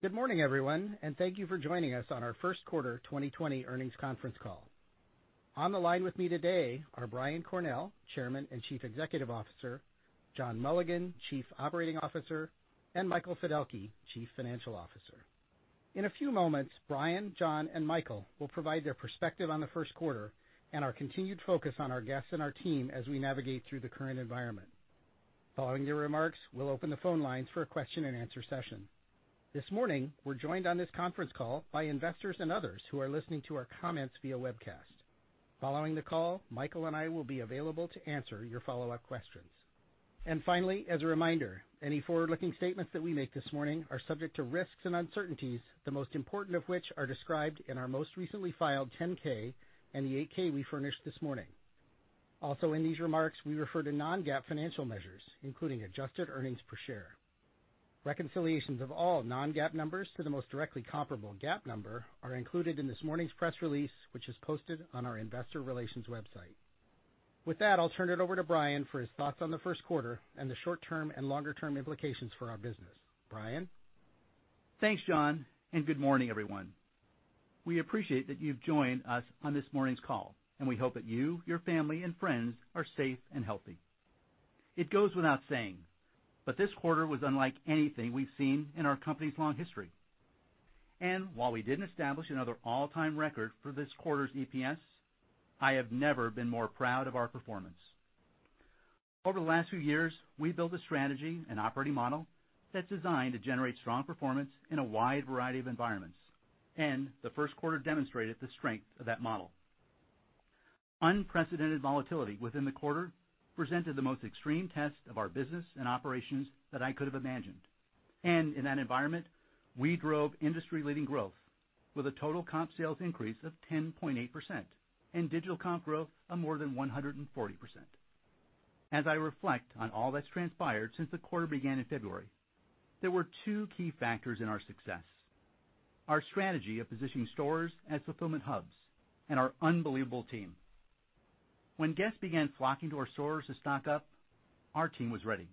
Good morning, everyone. Thank you for joining us on our first quarter 2020 earnings conference call. On the line with me today are Brian Cornell, Chairman and Chief Executive Officer, John Mulligan, Chief Operating Officer, and Michael Fiddelke, Chief Financial Officer. In a few moments, Brian, John, and Michael will provide their perspective on the first quarter and our continued focus on our guests and our team as we navigate through the current environment. Following their remarks, we'll open the phone lines for a question and answer session. This morning, we're joined on this conference call by investors and others who are listening to our comments via webcast. Following the call, Michael and I will be available to answer your follow-up questions. Finally, as a reminder, any forward-looking statements that we make this morning are subject to risks and uncertainties, the most important of which are described in our most recently filed 10-K and the 8-K we furnished this morning. Also, in these remarks, we refer to non-GAAP financial measures, including adjusted earnings per share. Reconciliations of all non-GAAP numbers to the most directly comparable GAAP number are included in this morning's press release, which is posted on our investor relations website. With that, I'll turn it over to Brian for his thoughts on the first quarter and the short-term and longer-term implications for our business. Brian? Thanks, John. Good morning, everyone. We appreciate that you've joined us on this morning's call, and we hope that you, your family, and friends are safe and healthy. It goes without saying, this quarter was unlike anything we've seen in our company's long history. While we didn't establish another all-time record for this quarter's EPS, I have never been more proud of our performance. Over the last few years, we've built a strategy and operating model that's designed to generate strong performance in a wide variety of environments, and the first quarter demonstrated the strength of that model. Unprecedented volatility within the quarter presented the most extreme test of our business and operations that I could have imagined. In that environment, we drove industry-leading growth with a total comp sales increase of 10.8% and digital comp growth of more than 140%. As I reflect on all that's transpired since the quarter began in February, there were two key factors in our success, our strategy of positioning stores as fulfillment hubs and our unbelievable team. When guests began flocking to our stores to stock up, our team was ready.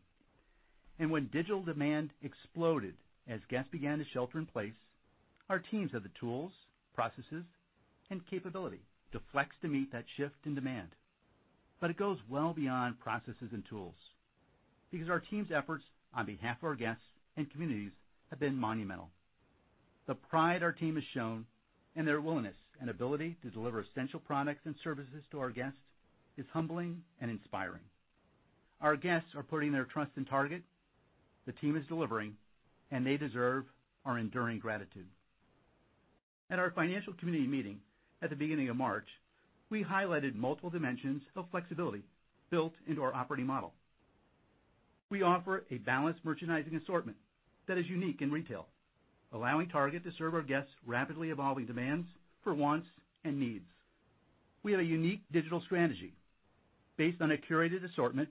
When digital demand exploded as guests began to shelter in place, our teams had the tools, processes, and capability to flex to meet that shift in demand. It goes well beyond processes and tools because our team's efforts on behalf of our guests and communities have been monumental. The pride our team has shown and their willingness and ability to deliver essential products and services to our guests is humbling and inspiring. Our guests are putting their trust in Target, the team is delivering, and they deserve our enduring gratitude. At our financial community meeting at the beginning of March, we highlighted multiple dimensions of flexibility built into our operating model. We offer a balanced merchandising assortment that is unique in retail, allowing Target to serve our guests' rapidly evolving demands for wants and needs. We have a unique digital strategy based on a curated assortment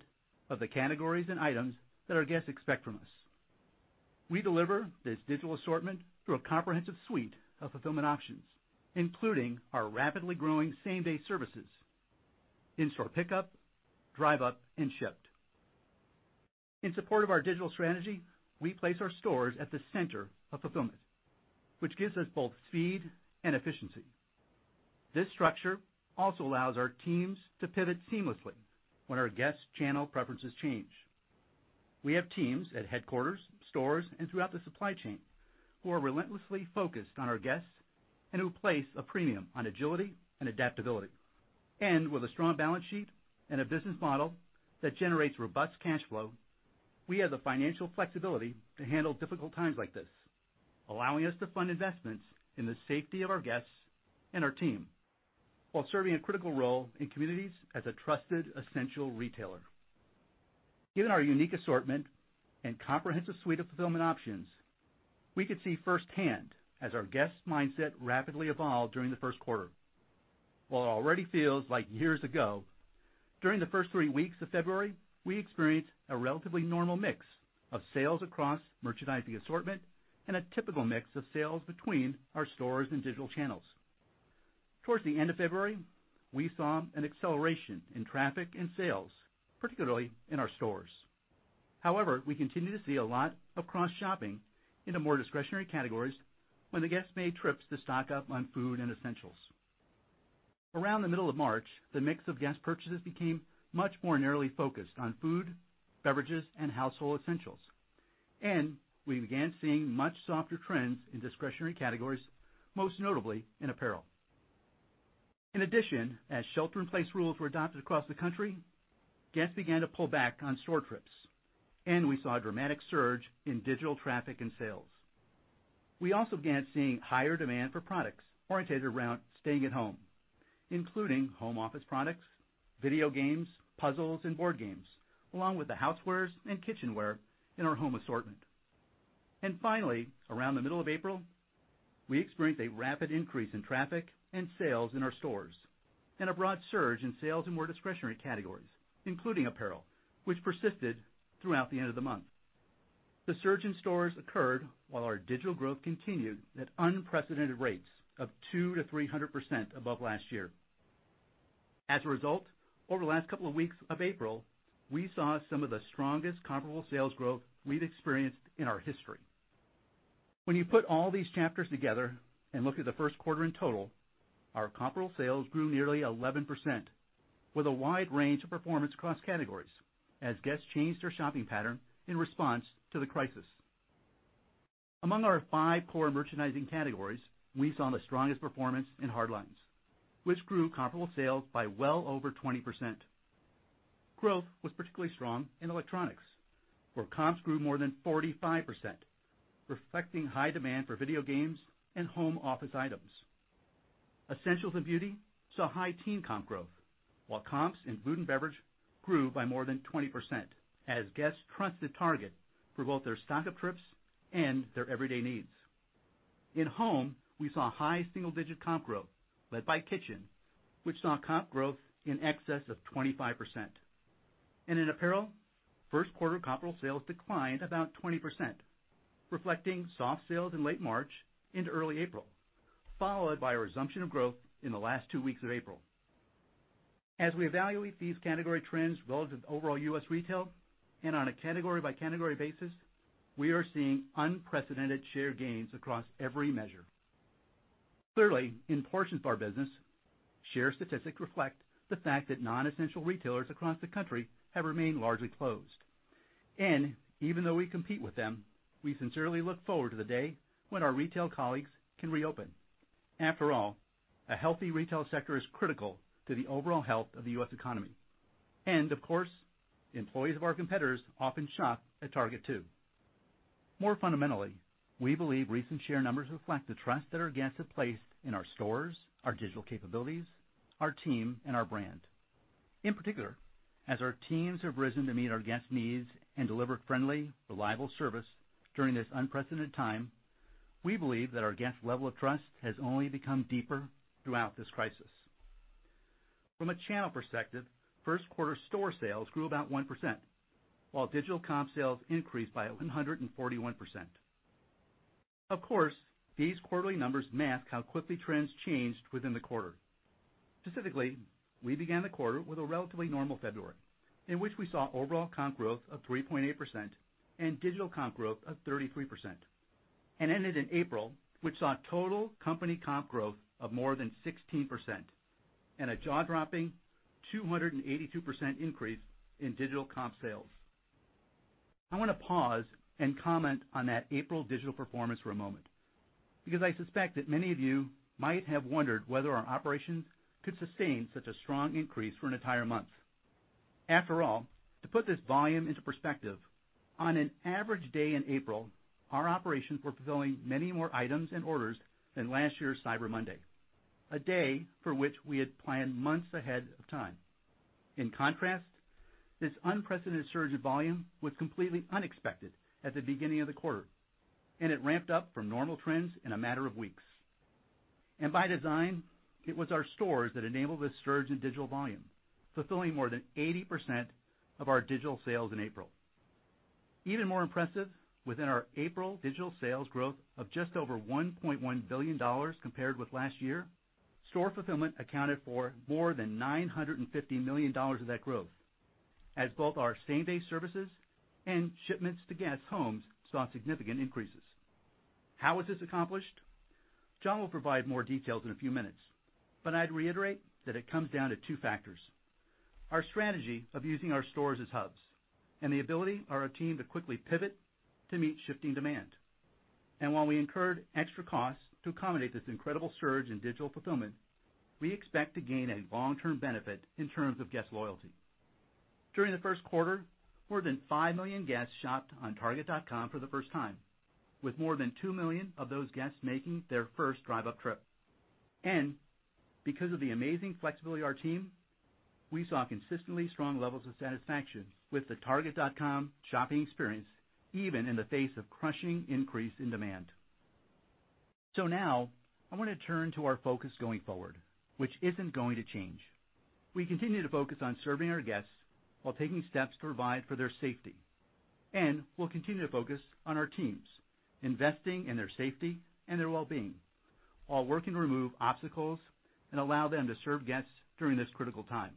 of the categories and items that our guests expect from us. We deliver this digital assortment through a comprehensive suite of fulfillment options, including our rapidly growing same-day services, in-store pickup, Drive Up, and Shipt. In support of our digital strategy, we place our stores at the center of fulfillment, which gives us both speed and efficiency. This structure also allows our teams to pivot seamlessly when our guests' channel preferences change. We have teams at headquarters, stores, and throughout the supply chain who are relentlessly focused on our guests and who place a premium on agility and adaptability. With a strong balance sheet and a business model that generates robust cash flow, we have the financial flexibility to handle difficult times like this, allowing us to fund investments in the safety of our guests and our team while serving a critical role in communities as a trusted, essential retailer. Given our unique assortment and comprehensive suite of fulfillment options, we could see firsthand as our guests' mindset rapidly evolved during the first quarter. While it already feels like years ago, during the first three weeks of February, we experienced a relatively normal mix of sales across merchandising assortment and a typical mix of sales between our stores and digital channels. Towards the end of February, we saw an acceleration in traffic and sales, particularly in our stores. However, we continued to see a lot of cross-shopping into more discretionary categories when the guests made trips to stock up on food and essentials. Around the middle of March, the mix of guest purchases became much more narrowly focused on food, beverages, and household essentials, and we began seeing much softer trends in discretionary categories, most notably in apparel. In addition, as shelter-in-place rules were adopted across the country, guests began to pull back on store trips, and we saw a dramatic surge in digital traffic and sales. We also began seeing higher demand for products oriented around staying at home, including home office products, video games, puzzles, and board games, along with the housewares and kitchenware in our home assortment. Finally, around the middle of April, we experienced a rapid increase in traffic and sales in our stores and a broad surge in sales in more discretionary categories, including apparel, which persisted throughout the end of the month. The surge in stores occurred while our digital growth continued at unprecedented rates of 200%-300% above last year. Over the last couple of weeks of April, we saw some of the strongest comparable sales growth we've experienced in our history. When you put all these chapters together and look at the first quarter in total, our comparable sales grew nearly 11%, with a wide range of performance across categories as guests changed their shopping pattern in response to the crisis. Among our five core merchandising categories, we saw the strongest performance in hardlines, which grew comparable sales by well over 20%. Growth was particularly strong in electronics, where comps grew more than 45%, reflecting high demand for video games and home office items. Essentials and beauty saw high teen comp growth, while comps in food and beverage grew by more than 20% as guests trusted Target for both their stock-up trips and their everyday needs. In Home, we saw high single-digit comp growth led by Kitchen, which saw comp growth in excess of 25%. In Apparel, first quarter comparable sales declined about 20%, reflecting soft sales in late March into early April, followed by a resumption of growth in the last two weeks of April. As we evaluate these category trends relative to overall U.S. retail and on a category-by-category basis, we are seeing unprecedented share gains across every measure. Clearly, in portions of our business, share statistics reflect the fact that non-essential retailers across the country have remained largely closed. Even though we compete with them, we sincerely look forward to the day when our retail colleagues can reopen. After all, a healthy retail sector is critical to the overall health of the U.S. economy. Of course, employees of our competitors often shop at Target too. More fundamentally, we believe recent share numbers reflect the trust that our guests have placed in our stores, our digital capabilities, our team, and our brand. In particular, as our teams have risen to meet our guests' needs and deliver friendly, reliable service during this unprecedented time, we believe that our guests' level of trust has only become deeper throughout this crisis. From a channel perspective, first quarter store sales grew about 1%, while digital comp sales increased by 141%. Of course, these quarterly numbers mask how quickly trends changed within the quarter. Specifically, we began the quarter with a relatively normal February, in which we saw overall comp growth of 3.8% and digital comp growth of 33%, and ended in April, which saw total company comp growth of more than 16% and a jaw-dropping 282% increase in digital comp sales. I want to pause and comment on that April digital performance for a moment, because I suspect that many of you might have wondered whether our operations could sustain such a strong increase for an entire month. After all, to put this volume into perspective, on an average day in April, our operations were fulfilling many more items and orders than last year's Cyber Monday, a day for which we had planned months ahead of time. In contrast, this unprecedented surge in volume was completely unexpected at the beginning of the quarter, and it ramped up from normal trends in a matter of weeks. By design, it was our stores that enabled this surge in digital volume, fulfilling more than 80% of our digital sales in April. Even more impressive, within our April digital sales growth of just over $1.1 billion compared with last year, store fulfillment accounted for more than $950 million of that growth, as both our same-day services and shipments to guests' homes saw significant increases. How was this accomplished? John will provide more details in a few minutes, but I'd reiterate that it comes down to two factors: Our strategy of using our stores as hubs and the ability of our team to quickly pivot to meet shifting demand. While we incurred extra costs to accommodate this incredible surge in digital fulfillment, we expect to gain a long-term benefit in terms of guest loyalty. During the first quarter, more than 5 million guests shopped on Target.com for the first time, with more than 2 million of those guests making their first Drive Up trip. Because of the amazing flexibility of our team, we saw consistently strong levels of satisfaction with the Target.com shopping experience, even in the face of crushing increase in demand. Now I want to turn to our focus going forward, which isn't going to change. We continue to focus on serving our guests while taking steps to provide for their safety, and we'll continue to focus on our teams, investing in their safety and their wellbeing, while working to remove obstacles and allow them to serve guests during this critical time.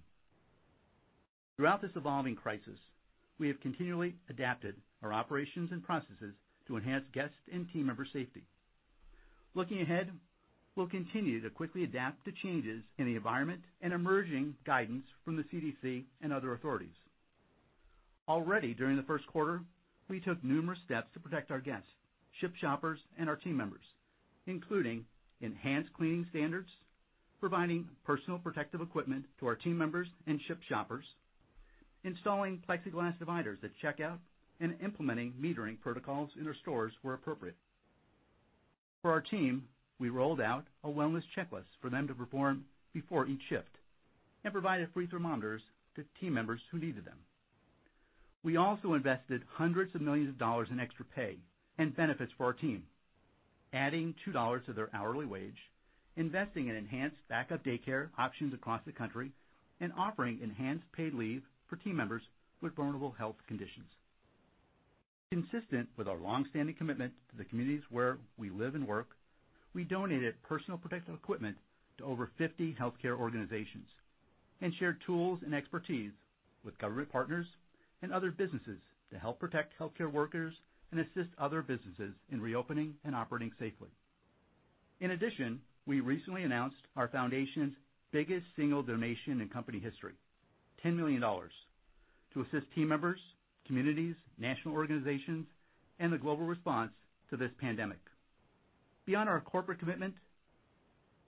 Throughout this evolving crisis, we have continually adapted our operations and processes to enhance guest and team member safety. Looking ahead, we'll continue to quickly adapt to changes in the environment and emerging guidance from the CDC and other authorities. Already during the first quarter, we took numerous steps to protect our guests, Shipt Shoppers, and our team members, including enhanced cleaning standards, providing personal protective equipment to our team members and Shipt Shoppers, installing plexiglass dividers at checkout, and implementing metering protocols in our stores where appropriate. For our team, we rolled out a wellness checklist for them to perform before each shift and provided free thermometers to team members who needed them. We also invested hundreds of millions of dollars in extra pay and benefits for our team, adding $2 to their hourly wage, investing in enhanced backup daycare options across the country, and offering enhanced paid leave for team members with vulnerable health conditions. Consistent with our longstanding commitment to the communities where we live and work, we donated personal protective equipment to over 50 healthcare organizations and shared tools and expertise with government partners and other businesses to help protect healthcare workers and assist other businesses in reopening and operating safely. In addition, we recently announced our foundation's biggest single donation in company history, $10 million, to assist team members, communities, national organizations, and the global response to this pandemic. Beyond our corporate commitment,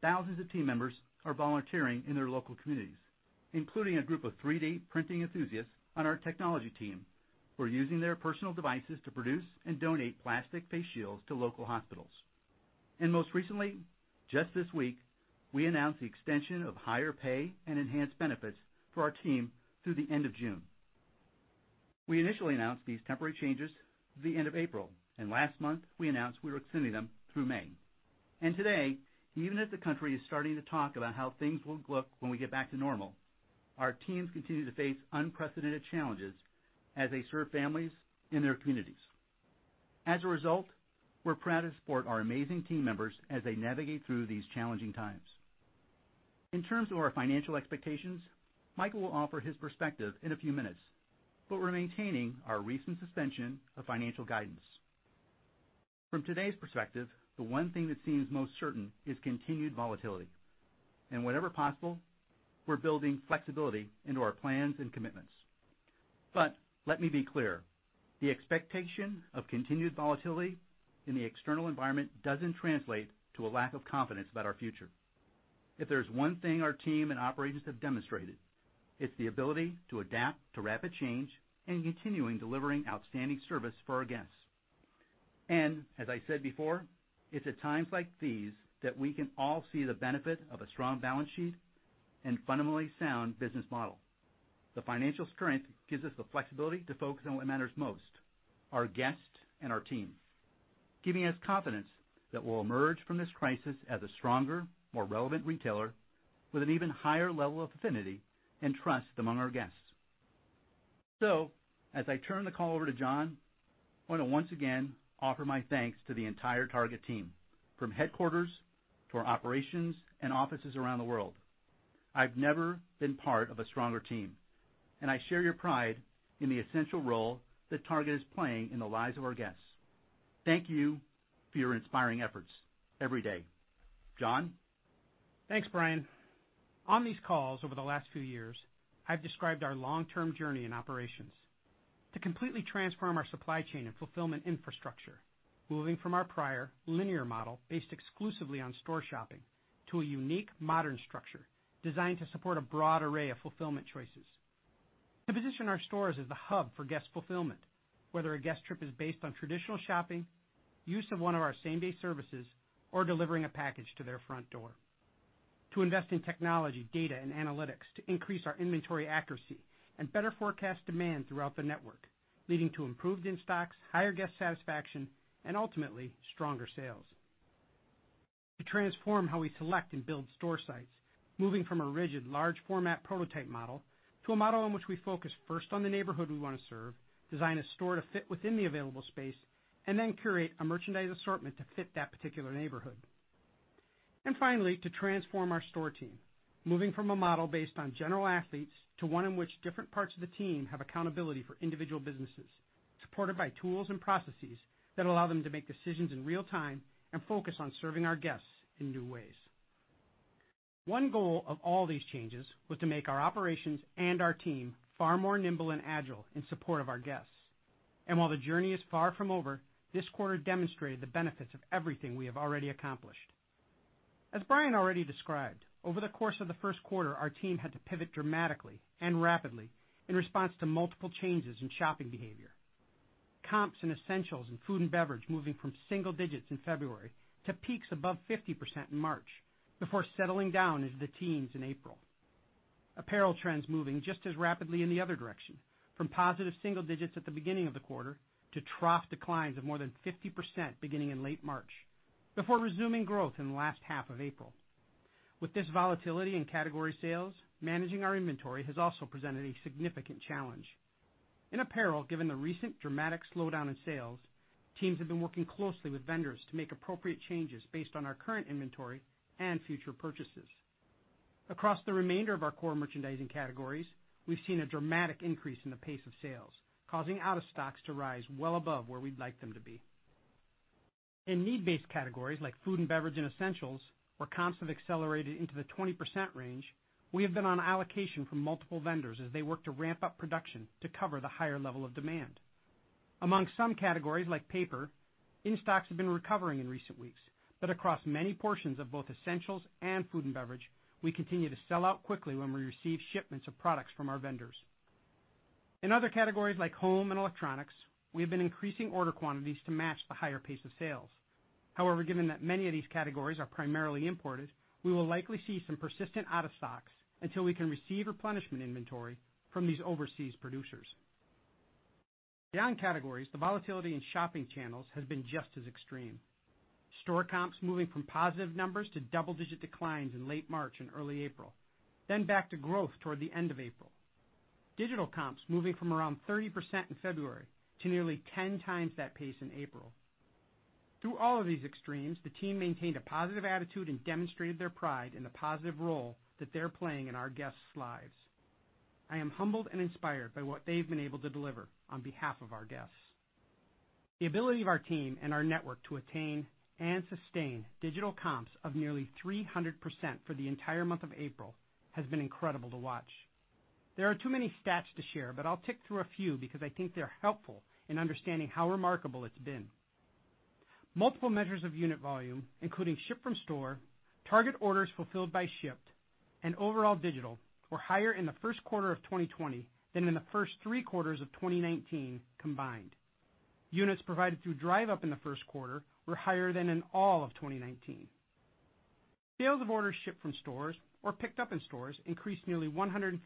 thousands of team members are volunteering in their local communities, including a group of 3D printing enthusiasts on our technology team who are using their personal devices to produce and donate plastic face shields to local hospitals. Most recently, just this week, we announced the extension of higher pay and enhanced benefits for our team through the end of June. We initially announced these temporary changes through the end of April, and last month we announced we were extending them through May. Today, even as the country is starting to talk about how things will look when we get back to normal, our teams continue to face unprecedented challenges as they serve families in their communities. As a result, we're proud to support our amazing team members as they navigate through these challenging times. In terms of our financial expectations, Michael will offer his perspective in a few minutes, but we're maintaining our recent suspension of financial guidance. From today's perspective, the one thing that seems most certain is continued volatility, and whenever possible, we're building flexibility into our plans and commitments. Let me be clear, the expectation of continued volatility in the external environment doesn't translate to a lack of confidence about our future. If there's one thing our team and operations have demonstrated, it's the ability to adapt to rapid change and continuing delivering outstanding service for our guests. As I said before, it's at times like these that we can all see the benefit of a strong balance sheet and fundamentally sound business model. The financial strength gives us the flexibility to focus on what matters most, our guests and our team, giving us confidence that we'll emerge from this crisis as a stronger, more relevant retailer with an even higher level of affinity and trust among our guests. As I turn the call over to John, I want to once again offer my thanks to the entire Target team, from headquarters to our operations and offices around the world. I've never been part of a stronger team, and I share your pride in the essential role that Target is playing in the lives of our guests. Thank you for your inspiring efforts every day. John? Thanks, Brian. On these calls over the last few years, I've described our long-term journey in operations to completely transform our supply chain and fulfillment infrastructure, moving from our prior linear model based exclusively on store shopping, to a unique modern structure designed to support a broad array of fulfillment choices. To position our stores as the hub for guest fulfillment, whether a guest trip is based on traditional shopping, use of one of our same-day services, or delivering a package to their front door. To invest in technology, data, and analytics to increase our inventory accuracy and better forecast demand throughout the network, leading to improved in-stocks, higher guest satisfaction, and ultimately stronger sales. To transform how we select and build store sites, moving from a rigid, large format prototype model to a model in which we focus first on the neighborhood we want to serve, design a store to fit within the available space, then curate a merchandise assortment to fit that particular neighborhood. Finally, to transform our store team, moving from a model based on general athletes to one in which different parts of the team have accountability for individual businesses, supported by tools and processes that allow them to make decisions in real time and focus on serving our guests in new ways. One goal of all these changes was to make our operations and our team far more nimble and agile in support of our guests. While the journey is far from over, this quarter demonstrated the benefits of everything we have already accomplished. As Brian already described, over the course of the first quarter, our team had to pivot dramatically and rapidly in response to multiple changes in shopping behavior. Comps in essentials and food and beverage moving from single digits in February to peaks above 50% in March before settling down into the teens in April. Apparel trends moving just as rapidly in the other direction, from positive single digits at the beginning of the quarter to trough declines of more than 50% beginning in late March, before resuming growth in the last half of April. With this volatility in category sales, managing our inventory has also presented a significant challenge. In apparel, given the recent dramatic slowdown in sales, teams have been working closely with vendors to make appropriate changes based on our current inventory and future purchases. Across the remainder of our core merchandising categories, we've seen a dramatic increase in the pace of sales, causing out-of-stocks to rise well above where we'd like them to be. In need-based categories like food and beverage and essentials, where comps have accelerated into the 20% range, we have been on allocation from multiple vendors as they work to ramp up production to cover the higher level of demand. Among some categories like paper, in-stocks have been recovering in recent weeks, but across many portions of both essentials and food and beverage, we continue to sell out quickly when we receive shipments of products from our vendors. In other categories like home and electronics, we have been increasing order quantities to match the higher pace of sales. However, given that many of these categories are primarily imported, we will likely see some persistent out-of-stocks until we can receive replenishment inventory from these overseas producers. Beyond categories, the volatility in shopping channels has been just as extreme. Store comps moving from positive numbers to double-digit declines in late March and early April, then back to growth toward the end of April. Digital comps moving from around 30% in February to nearly 10 times that pace in April. Through all of these extremes, the team maintained a positive attitude and demonstrated their pride in the positive role that they're playing in our guests' lives. I am humbled and inspired by what they've been able to deliver on behalf of our guests. The ability of our team and our network to attain and sustain digital comps of nearly 300% for the entire month of April has been incredible to watch. There are too many stats to share, but I'll tick through a few because I think they're helpful in understanding how remarkable it's been. Multiple measures of unit volume, including ship from store, Target orders fulfilled by Shipt, and overall digital were higher in the first quarter of 2020 than in the first three quarters of 2019 combined. Units provided through Drive Up in the first quarter were higher than in all of 2019. Sales of orders shipped from stores or picked up in stores increased nearly 150%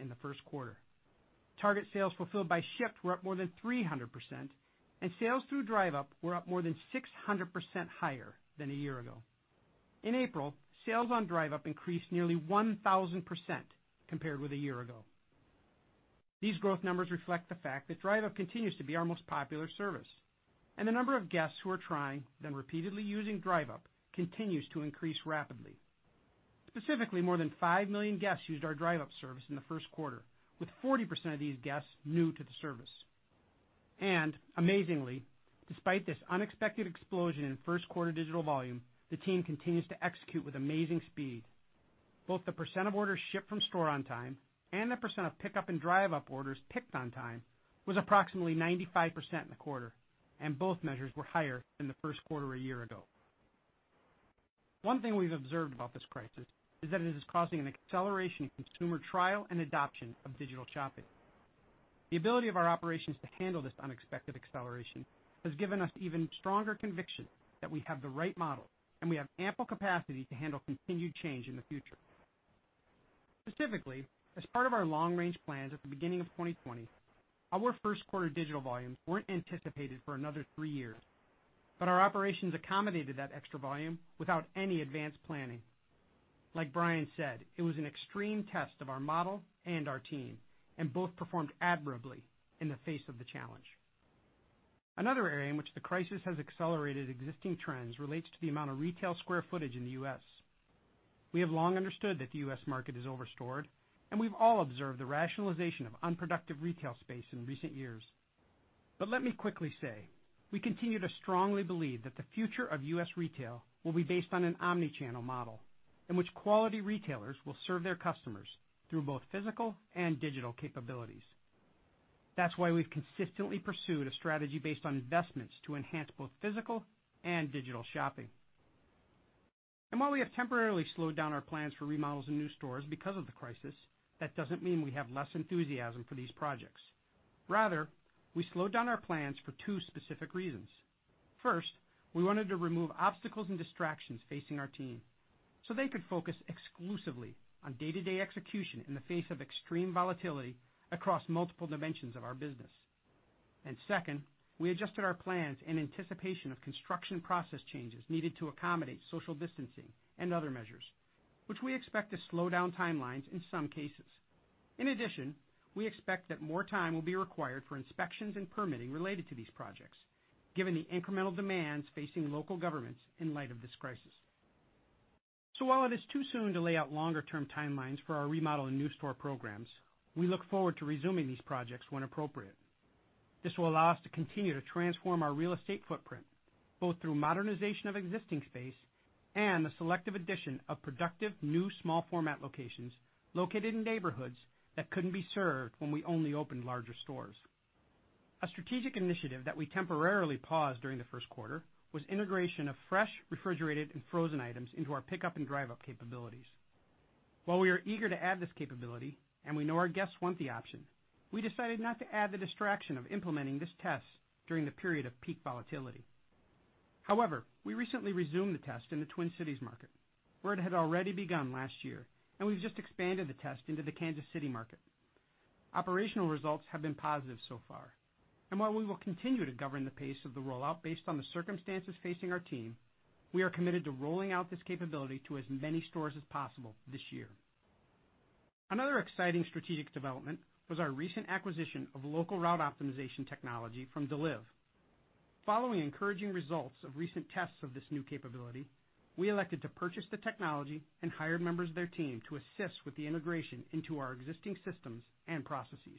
in the first quarter. Target sales fulfilled by Shipt were up more than 300%, and sales through Drive Up were up more than 600% higher than a year ago. In April, sales on Drive Up increased nearly 1,000% compared with a year ago. These growth numbers reflect the fact that Drive Up continues to be our most popular service, the number of guests who are trying, then repeatedly using Drive Up continues to increase rapidly. Specifically, more than 5 million guests used our Drive Up service in the first quarter, with 40% of these guests new to the service. Amazingly, despite this unexpected explosion in first quarter digital volume, the team continues to execute with amazing speed. Both the percent of orders ship from store on time and the percent of Pickup and Drive Up orders picked on time was approximately 95% in the quarter, both measures were higher than the first quarter a year ago. One thing we've observed about this crisis is that it is causing an acceleration in consumer trial and adoption of digital shopping. The ability of our operations to handle this unexpected acceleration has given us even stronger conviction that we have the right model and we have ample capacity to handle continued change in the future. Specifically, as part of our long range plans at the beginning of 2020, our first quarter digital volumes weren't anticipated for another three years, but our operations accommodated that extra volume without any advanced planning. Like Brian said, it was an extreme test of our model and our team, and both performed admirably in the face of the challenge. Another area in which the crisis has accelerated existing trends relates to the amount of retail square footage in the U.S. We have long understood that the U.S. market is over-stored, and we've all observed the rationalization of unproductive retail space in recent years. Let me quickly say, we continue to strongly believe that the future of U.S. retail will be based on an omni-channel model, in which quality retailers will serve their customers through both physical and digital capabilities. That's why we've consistently pursued a strategy based on investments to enhance both physical and digital shopping. While we have temporarily slowed down our plans for remodels and new stores because of the crisis, that doesn't mean we have less enthusiasm for these projects. Rather, we slowed down our plans for two specific reasons. First, we wanted to remove obstacles and distractions facing our team so they could focus exclusively on day-to-day execution in the face of extreme volatility across multiple dimensions of our business. Second, we adjusted our plans in anticipation of construction process changes needed to accommodate social distancing and other measures, which we expect to slow down timelines in some cases. In addition, we expect that more time will be required for inspections and permitting related to these projects, given the incremental demands facing local governments in light of this crisis. While it is too soon to lay out longer term timelines for our remodel and new store programs, we look forward to resuming these projects when appropriate. This will allow us to continue to transform our real estate footprint, both through modernization of existing space and the selective addition of productive new small format locations located in neighborhoods that couldn't be served when we only opened larger stores. A strategic initiative that we temporarily paused during the first quarter was integration of fresh, refrigerated, and frozen items into our Pickup and Drive Up capabilities. While we are eager to add this capability, and we know our guests want the option, we decided not to add the distraction of implementing this test during the period of peak volatility. We recently resumed the test in the Twin Cities market, where it had already begun last year, and we've just expanded the test into the Kansas City market. Operational results have been positive so far, and while we will continue to govern the pace of the rollout based on the circumstances facing our team, we are committed to rolling out this capability to as many stores as possible this year. Another exciting strategic development was our recent acquisition of local route optimization technology from Deliv. Following encouraging results of recent tests of this new capability, we elected to purchase the technology and hired members of their team to assist with the integration into our existing systems and processes.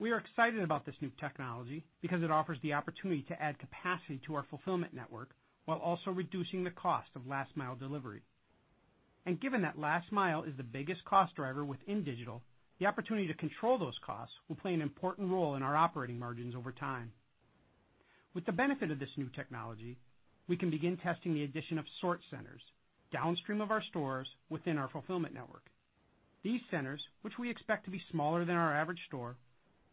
We are excited about this new technology because it offers the opportunity to add capacity to our fulfillment network while also reducing the cost of last mile delivery. Given that last mile is the biggest cost driver within digital, the opportunity to control those costs will play an important role in our operating margins over time. With the benefit of this new technology, we can begin testing the addition of sort centers downstream of our stores within our fulfillment network. These centers, which we expect to be smaller than our average store,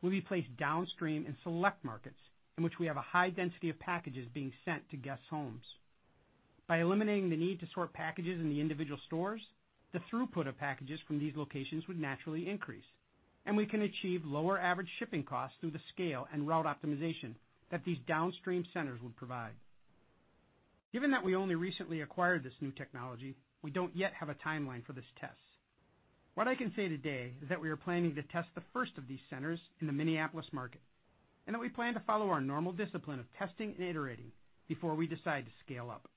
will be placed downstream in select markets in which we have a high density of packages being sent to guests' homes. By eliminating the need to sort packages in the individual stores, the throughput of packages from these locations would naturally increase, and we can achieve lower average shipping costs through the scale and route optimization that these downstream centers would provide. Given that we only recently acquired this new technology, we don't yet have a timeline for this test. What I can say today is that we are planning to test the first of these centers in the Minneapolis market, and that we plan to follow our normal discipline of testing and iterating before we decide to scale up.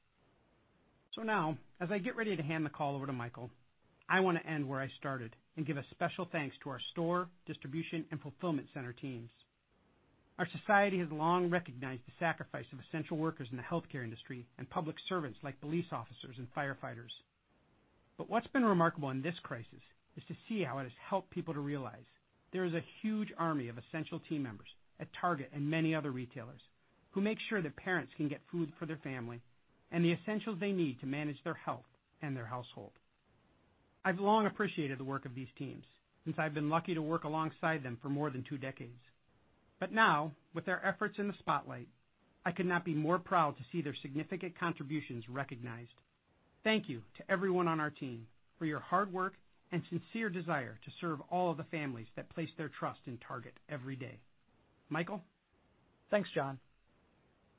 Now, as I get ready to hand the call over to Michael, I want to end where I started and give a special thanks to our store, distribution, and fulfillment center teams. Our society has long recognized the sacrifice of essential workers in the healthcare industry and public servants like police officers and firefighters. What's been remarkable in this crisis is to see how it has helped people to realize there is a huge army of essential team members at Target and many other retailers who make sure that parents can get food for their family and the essentials they need to manage their health and their household. I've long appreciated the work of these teams since I've been lucky to work alongside them for more than two decades. Now, with their efforts in the spotlight, I could not be more proud to see their significant contributions recognized. Thank you to everyone on our team for your hard work and sincere desire to serve all of the families that place their trust in Target every day. Michael? Thanks, John.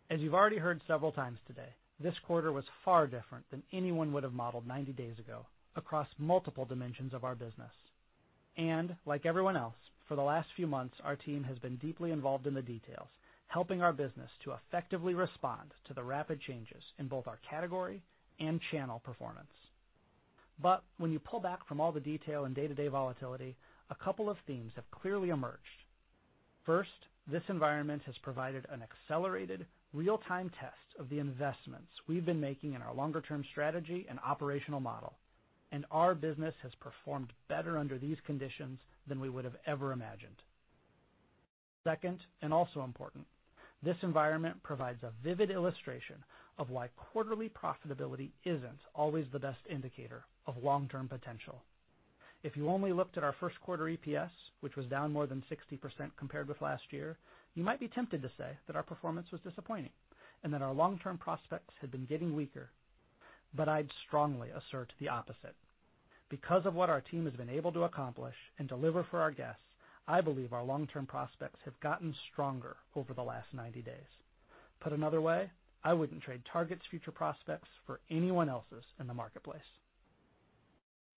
As you've already heard several times today, this quarter was far different than anyone would have modeled 90 days ago across multiple dimensions of our business. Like everyone else, for the last few months, our team has been deeply involved in the details, helping our business to effectively respond to the rapid changes in both our category and channel performance. When you pull back from all the detail and day-to-day volatility, a couple of themes have clearly emerged. First, this environment has provided an accelerated real-time test of the investments we've been making in our longer-term strategy and operational model, and our business has performed better under these conditions than we would have ever imagined. Second, and also important, this environment provides a vivid illustration of why quarterly profitability isn't always the best indicator of long-term potential. If you only looked at our first quarter EPS, which was down more than 60% compared with last year, you might be tempted to say that our performance was disappointing and that our long-term prospects had been getting weaker, but I'd strongly assert the opposite. Because of what our team has been able to accomplish and deliver for our guests, I believe our long-term prospects have gotten stronger over the last 90 days. Put another way, I wouldn't trade Target's future prospects for anyone else's in the marketplace.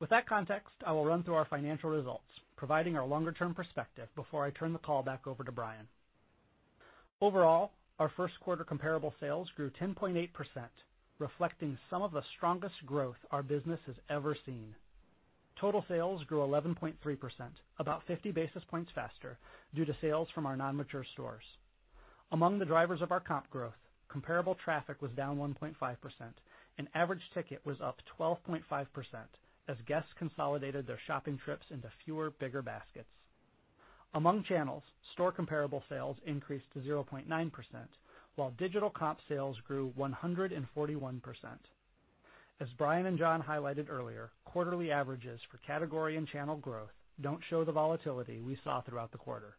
With that context, I will run through our financial results, providing our longer-term perspective before I turn the call back over to Brian. Overall, our first quarter comparable sales grew 10.8%, reflecting some of the strongest growth our business has ever seen. Total sales grew 11.3%, about 50 basis points faster due to sales from our non-mature stores. Among the drivers of our comp growth, comparable traffic was down 1.5% and average ticket was up 12.5% as guests consolidated their shopping trips into fewer, bigger baskets. Among channels, store comparable sales increased to 0.9%, while digital comp sales grew 141%. As Brian and John highlighted earlier, quarterly averages for category and channel growth don't show the volatility we saw throughout the quarter.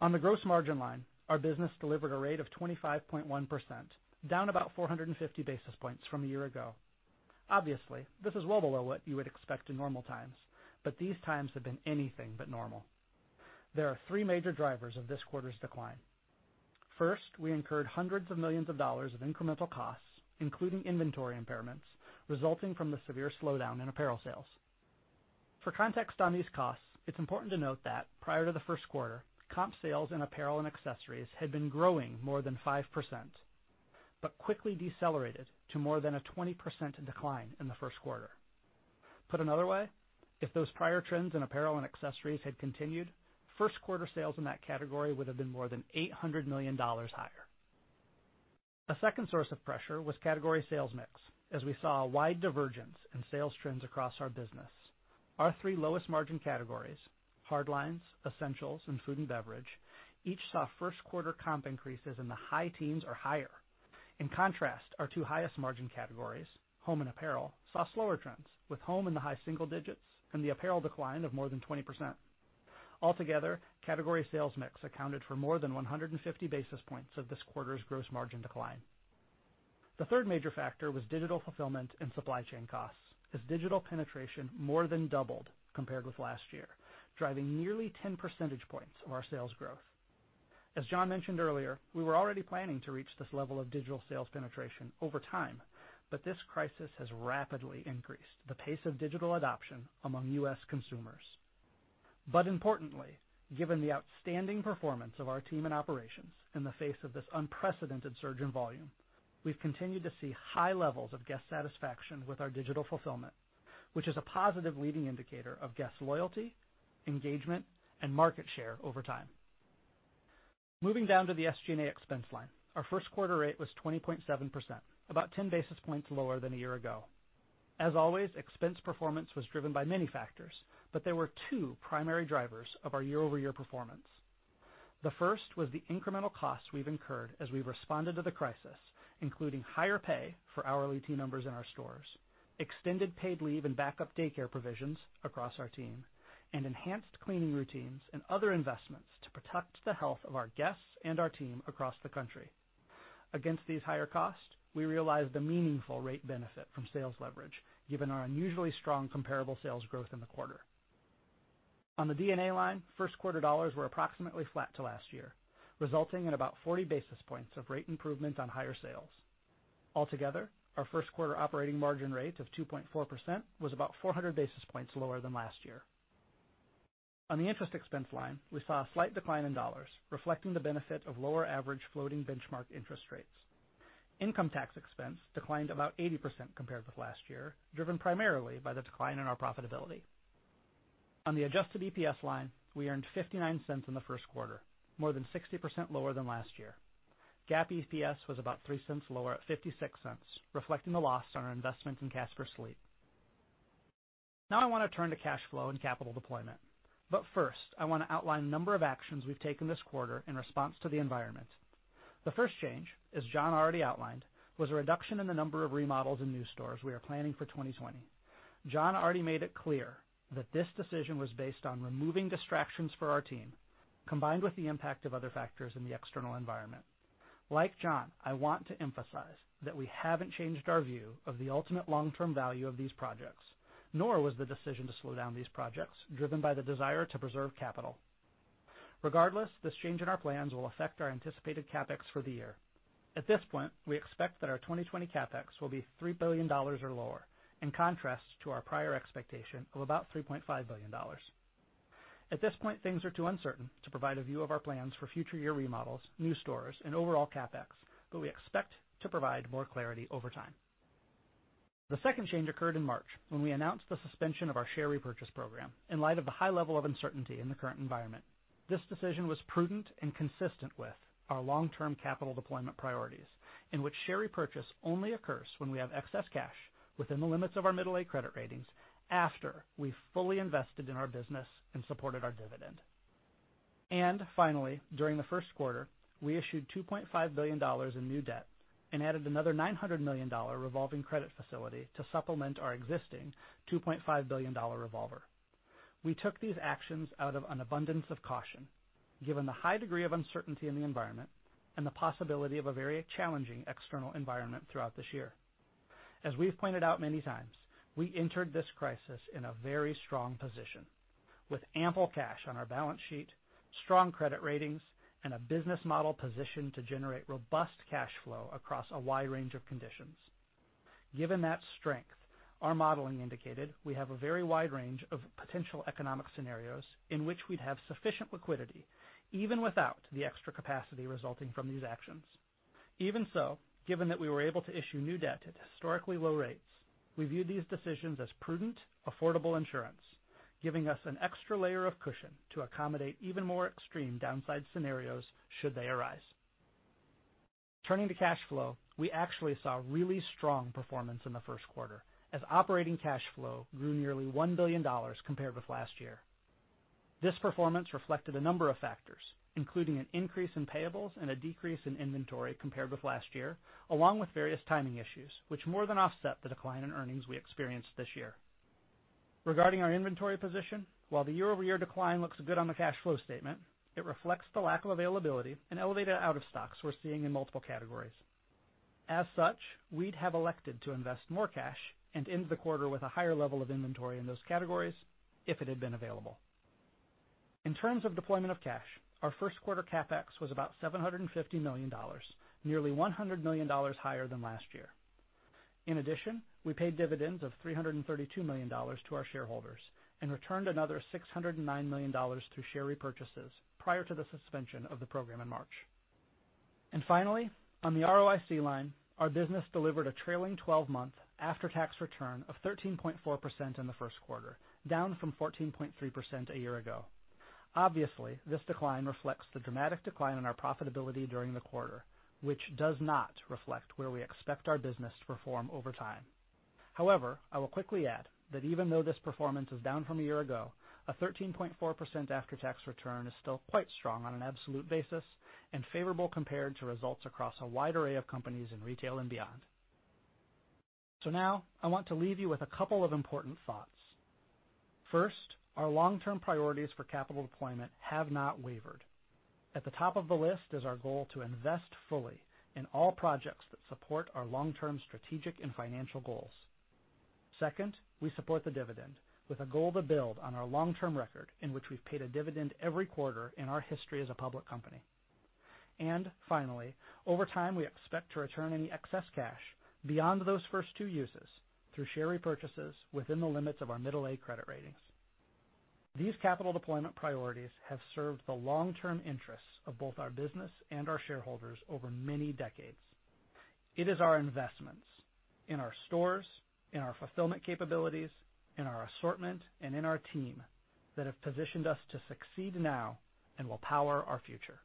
On the gross margin line, our business delivered a rate of 25.1%, down about 450 basis points from a year ago. Obviously, this is well below what you would expect in normal times, but these times have been anything but normal. There are three major drivers of this quarter's decline. First, we incurred hundreds of millions of dollars of incremental costs, including inventory impairments, resulting from the severe slowdown in apparel sales. For context on these costs, it's important to note that prior to the first quarter, comp sales in apparel and accessories had been growing more than 5%, but quickly decelerated to more than a 20% decline in the first quarter. Put another way, if those prior trends in apparel and accessories had continued, first quarter sales in that category would have been more than $800 million higher. A second source of pressure was category sales mix, as we saw a wide divergence in sales trends across our business. Our three lowest margin categories, hardlines, essentials, and food and beverage, each saw first quarter comp increases in the high teens or higher. In contrast, our two highest margin categories, home and apparel, saw slower trends with home in the high single digits and the apparel decline of more than 20%. Altogether, category sales mix accounted for more than 150 basis points of this quarter's gross margin decline. The third major factor was digital fulfillment and supply chain costs, as digital penetration more than doubled compared with last year, driving nearly 10 percentage points of our sales growth. As John mentioned earlier, we were already planning to reach this level of digital sales penetration over time. This crisis has rapidly increased the pace of digital adoption among U.S. consumers. Importantly, given the outstanding performance of our team and operations in the face of this unprecedented surge in volume, we've continued to see high levels of guest satisfaction with our digital fulfillment, which is a positive leading indicator of guest loyalty, engagement, and market share over time. Moving down to the SG&A expense line, our first quarter rate was 20.7%, about 10 basis points lower than a year ago. As always, expense performance was driven by many factors, but there were two primary drivers of our year-over-year performance. The first was the incremental costs we've incurred as we responded to the crisis, including higher pay for hourly team members in our stores, extended paid leave and backup daycare provisions across our team, and enhanced cleaning routines and other investments to protect the health of our guests and our team across the country. Against these higher costs, we realized a meaningful rate benefit from sales leverage given our unusually strong comparable sales growth in the quarter. On the D&A line, first quarter dollars were approximately flat to last year, resulting in about 40 basis points of rate improvement on higher sales. Altogether, our first quarter operating margin rate of 2.4% was about 400 basis points lower than last year. On the interest expense line, we saw a slight decline in dollars, reflecting the benefit of lower average floating benchmark interest rates. Income tax expense declined about 80% compared with last year, driven primarily by the decline in our profitability. On the adjusted EPS line, we earned $0.59 in the first quarter, more than 60% lower than last year. GAAP EPS was about $0.03 lower at $0.56, reflecting the loss on our investment in Casper Sleep. Now I want to turn to cash flow and capital deployment. First, I want to outline a number of actions we've taken this quarter in response to the environment. The first change, as John already outlined, was a reduction in the number of remodels in new stores we are planning for 2020. John already made it clear that this decision was based on removing distractions for our team, combined with the impact of other factors in the external environment. Like John, I want to emphasize that we haven't changed our view of the ultimate long-term value of these projects, nor was the decision to slow down these projects driven by the desire to preserve capital. Regardless, this change in our plans will affect our anticipated CapEx for the year. At this point, we expect that our 2020 CapEx will be $3 billion or lower, in contrast to our prior expectation of about $3.5 billion. At this point, things are too uncertain to provide a view of our plans for future year remodels, new stores, and overall CapEx, but we expect to provide more clarity over time. The second change occurred in March when we announced the suspension of our share repurchase program in light of the high level of uncertainty in the current environment. This decision was prudent and consistent with our long-term capital deployment priorities, in which share repurchase only occurs when we have excess cash within the limits of our middle A credit ratings after we've fully invested in our business and supported our dividend. Finally, during the first quarter, we issued $2.5 billion in new debt and added another $900 million revolving credit facility to supplement our existing $2.5 billion revolver. We took these actions out of an abundance of caution, given the high degree of uncertainty in the environment and the possibility of a very challenging external environment throughout this year. As we've pointed out many times, we entered this crisis in a very strong position with ample cash on our balance sheet, strong credit ratings, and a business model positioned to generate robust cash flow across a wide range of conditions. Given that strength, our modeling indicated we have a very wide range of potential economic scenarios in which we'd have sufficient liquidity even without the extra capacity resulting from these actions. Even so, given that we were able to issue new debt at historically low rates, we view these decisions as prudent, affordable insurance, giving us an extra layer of cushion to accommodate even more extreme downside scenarios should they arise. Turning to cash flow, we actually saw really strong performance in the first quarter as operating cash flow grew nearly $1 billion compared with last year. This performance reflected a number of factors, including an increase in payables and a decrease in inventory compared with last year, along with various timing issues, which more than offset the decline in earnings we experienced this year. Regarding our inventory position, while the year-over-year decline looks good on the cash flow statement, it reflects the lack of availability and elevated out of stocks we're seeing in multiple categories. As such, we'd have elected to invest more cash and end the quarter with a higher level of inventory in those categories if it had been available. In terms of deployment of cash, our first quarter CapEx was about $750 million, nearly $100 million higher than last year. In addition, we paid dividends of $332 million to our shareholders and returned another $609 million through share repurchases prior to the suspension of the program in March. Finally, on the ROIC line, our business delivered a trailing 12-month after-tax return of 13.4% in the first quarter, down from 14.3% a year ago. Obviously, this decline reflects the dramatic decline in our profitability during the quarter, which does not reflect where we expect our business to perform over time. However, I will quickly add that even though this performance is down from a year ago, a 13.4% after-tax return is still quite strong on an absolute basis and favorable compared to results across a wide array of companies in retail and beyond. Now, I want to leave you with a couple of important thoughts. First, our long-term priorities for capital deployment have not wavered. At the top of the list is our goal to invest fully in all projects that support our long-term strategic and financial goals. Second, we support the dividend with a goal to build on our long-term record in which we've paid a dividend every quarter in our history as a public company. Finally, over time, we expect to return any excess cash beyond those first two uses through share repurchases within the limits of our middle A credit ratings. These capital deployment priorities have served the long-term interests of both our business and our shareholders over many decades. It is our investments in our stores, in our fulfillment capabilities, in our assortment, and in our team that have positioned us to succeed now and will power our future.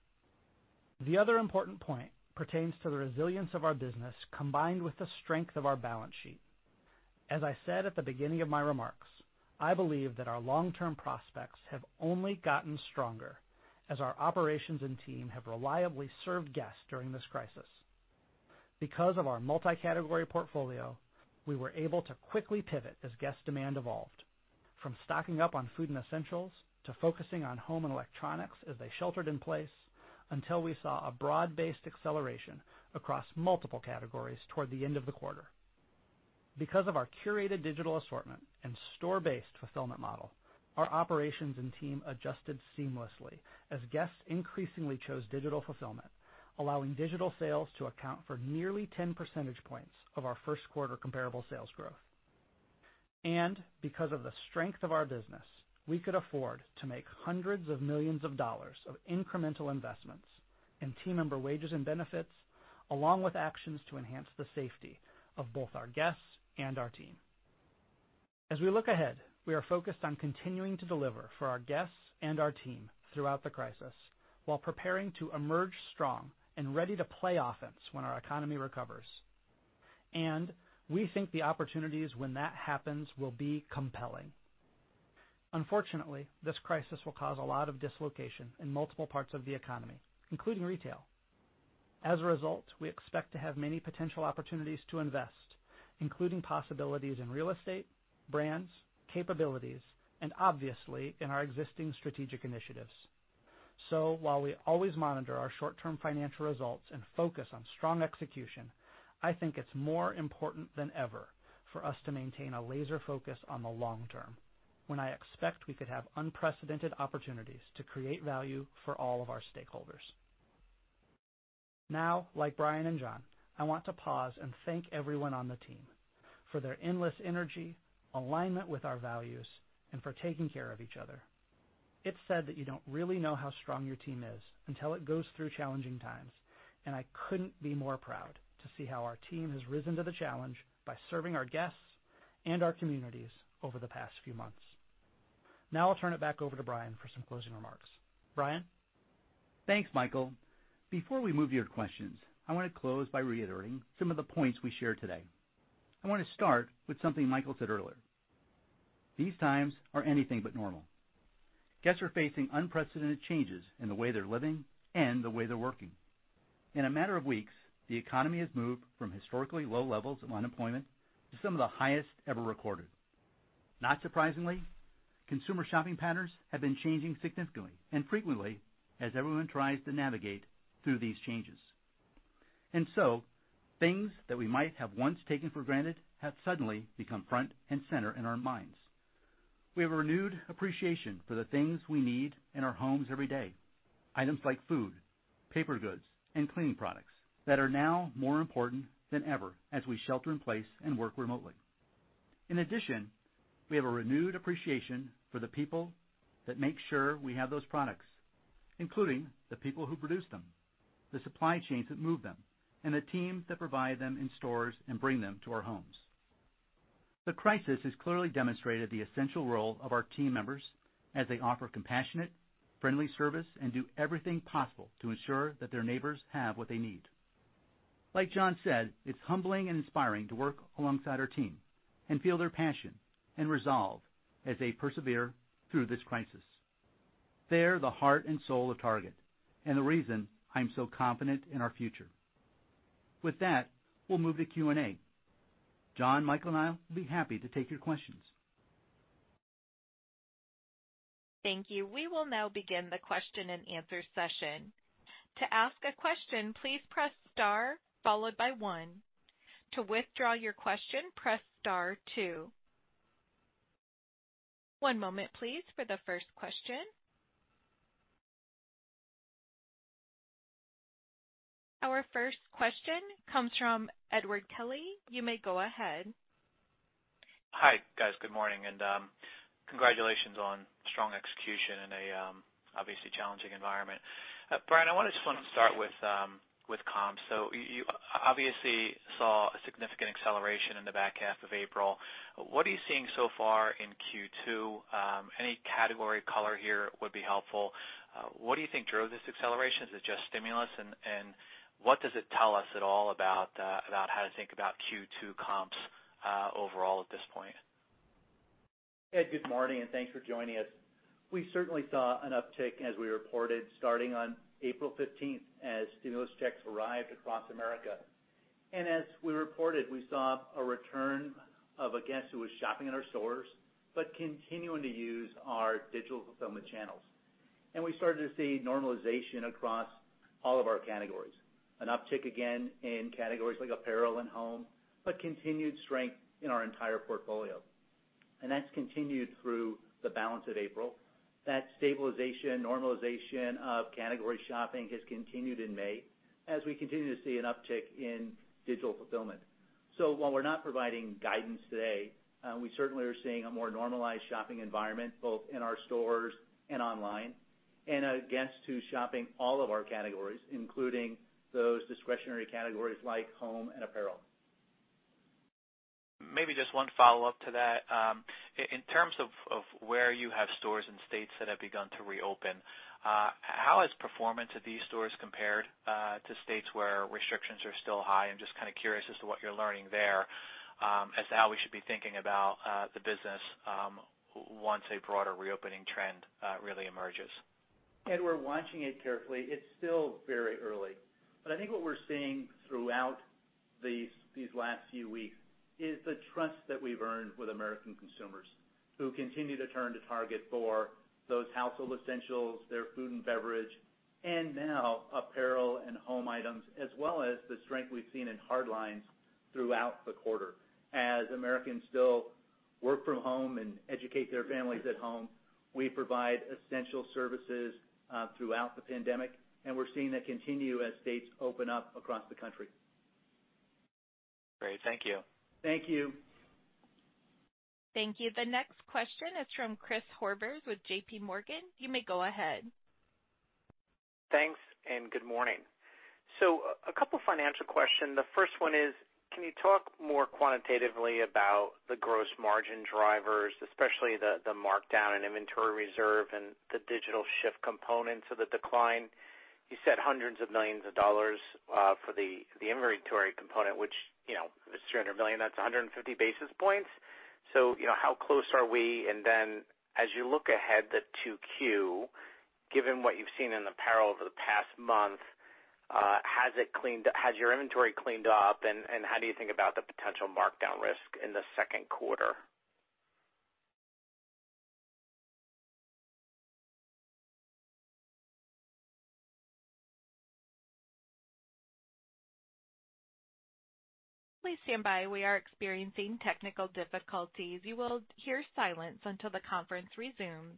The other important point pertains to the resilience of our business combined with the strength of our balance sheet. As I said at the beginning of my remarks, I believe that our long-term prospects have only gotten stronger as our operations and team have reliably served guests during this crisis. Because of our multi-category portfolio, we were able to quickly pivot as guest demand evolved. From stocking up on food and essentials to focusing on home and electronics as they sheltered in place, until we saw a broad-based acceleration across multiple categories toward the end of the quarter. Because of our curated digital assortment and store-based fulfillment model, our operations and team adjusted seamlessly as guests increasingly chose digital fulfillment, allowing digital sales to account for nearly 10 percentage points of our first quarter comparable sales growth. Because of the strength of our business, we could afford to make hundreds of millions of dollars of incremental investments in team member wages and benefits, along with actions to enhance the safety of both our guests and our team. As we look ahead, we are focused on continuing to deliver for our guests and our team throughout the crisis, while preparing to emerge strong and ready to play offense when our economy recovers. We think the opportunities when that happens will be compelling. Unfortunately, this crisis will cause a lot of dislocation in multiple parts of the economy, including retail. As a result, we expect to have many potential opportunities to invest, including possibilities in real estate, brands, capabilities, and obviously in our existing strategic initiatives. While we always monitor our short-term financial results and focus on strong execution, I think it's more important than ever for us to maintain a laser focus on the long term, when I expect we could have unprecedented opportunities to create value for all of our stakeholders. Like Brian and John, I want to pause and thank everyone on the team for their endless energy, alignment with our values, and for taking care of each other. It's said that you don't really know how strong your team is until it goes through challenging times, and I couldn't be more proud to see how our team has risen to the challenge by serving our guests and our communities over the past few months. I'll turn it back over to Brian for some closing remarks. Brian? Thanks, Michael. Before we move to your questions, I want to close by reiterating some of the points we shared today. I want to start with something Michael said earlier. These times are anything but normal. Guests are facing unprecedented changes in the way they're living and the way they're working. In a matter of weeks, the economy has moved from historically low levels of unemployment to some of the highest ever recorded. Not surprisingly, consumer shopping patterns have been changing significantly and frequently as everyone tries to navigate through these changes. Things that we might have once taken for granted have suddenly become front and center in our minds. We have a renewed appreciation for the things we need in our homes every day, items like food, paper goods, and cleaning products that are now more important than ever as we shelter in place and work remotely. In addition, we have a renewed appreciation for the people that make sure we have those products, including the people who produce them, the supply chains that move them, and the teams that provide them in stores and bring them to our homes. The crisis has clearly demonstrated the essential role of our team members as they offer compassionate, friendly service and do everything possible to ensure that their neighbors have what they need. Like John said, it's humbling and inspiring to work alongside our team and feel their passion and resolve as they persevere through this crisis. They're the heart and soul of Target and the reason I'm so confident in our future. With that, we'll move to Q&A. John, Michael, and I will be happy to take your questions. Thank you. We will now begin the question and answer session. To ask a question, please press star followed by one. To withdraw your question, press star two. One moment, please, for the first question. Our first question comes from Edward Kelly. You may go ahead. Hi, guys. Good morning. Congratulations on strong execution in an obviously challenging environment. Brian, I just want to start with comps. You obviously saw a significant acceleration in the back half of April. What are you seeing so far in Q2? Any category color here would be helpful. What do you think drove this acceleration? Is it just stimulus? What does it tell us at all about how to think about Q2 comps overall at this point? Ed, good morning, thanks for joining us. We certainly saw an uptick as we reported starting on April 15th as stimulus checks arrived across America. As we reported, we saw a return of a guest who was shopping in our stores but continuing to use our digital fulfillment channels. We started to see normalization across all of our categories, an uptick again in categories like apparel and home, but continued strength in our entire portfolio. That's continued through the balance of April. That stabilization, normalization of category shopping has continued in May as we continue to see an uptick in digital fulfillment. While we're not providing guidance today, we certainly are seeing a more normalized shopping environment, both in our stores and online, and guests who's shopping all of our categories, including those discretionary categories like home and apparel. Maybe just one follow-up to that. In terms of where you have stores in states that have begun to reopen, how has performance at these stores compared to states where restrictions are still high? I'm just kind of curious as to what you're learning there as to how we should be thinking about the business once a broader reopening trend really emerges. We're watching it carefully. It's still very early. I think what we're seeing throughout these last few weeks is the trust that we've earned with American consumers who continue to turn to Target for those household essentials, their food and beverage, and now apparel and home items, as well as the strength we've seen in hardlines throughout the quarter. As Americans still work from home and educate their families at home, we provide essential services throughout the pandemic, and we're seeing that continue as states open up across the country. Great. Thank you. Thank you. Thank you. The next question is from Chris Horvers with J.P. Morgan. You may go ahead. Thanks, and good morning. A couple of financial questions. The first one is, can you talk more quantitatively about the gross margin drivers, especially the markdown and inventory reserve and the digital shift components of the decline? You said hundreds of millions of dollars for the inventory component, which is $300 million, that's 150 basis points. How close are we? As you look ahead to 2Q, given what you've seen in apparel over the past month, has your inventory cleaned up, and how do you think about the potential markdown risk in the second quarter? Please stand by. We are experiencing technical difficulties. You will hear silence until the conference resumes.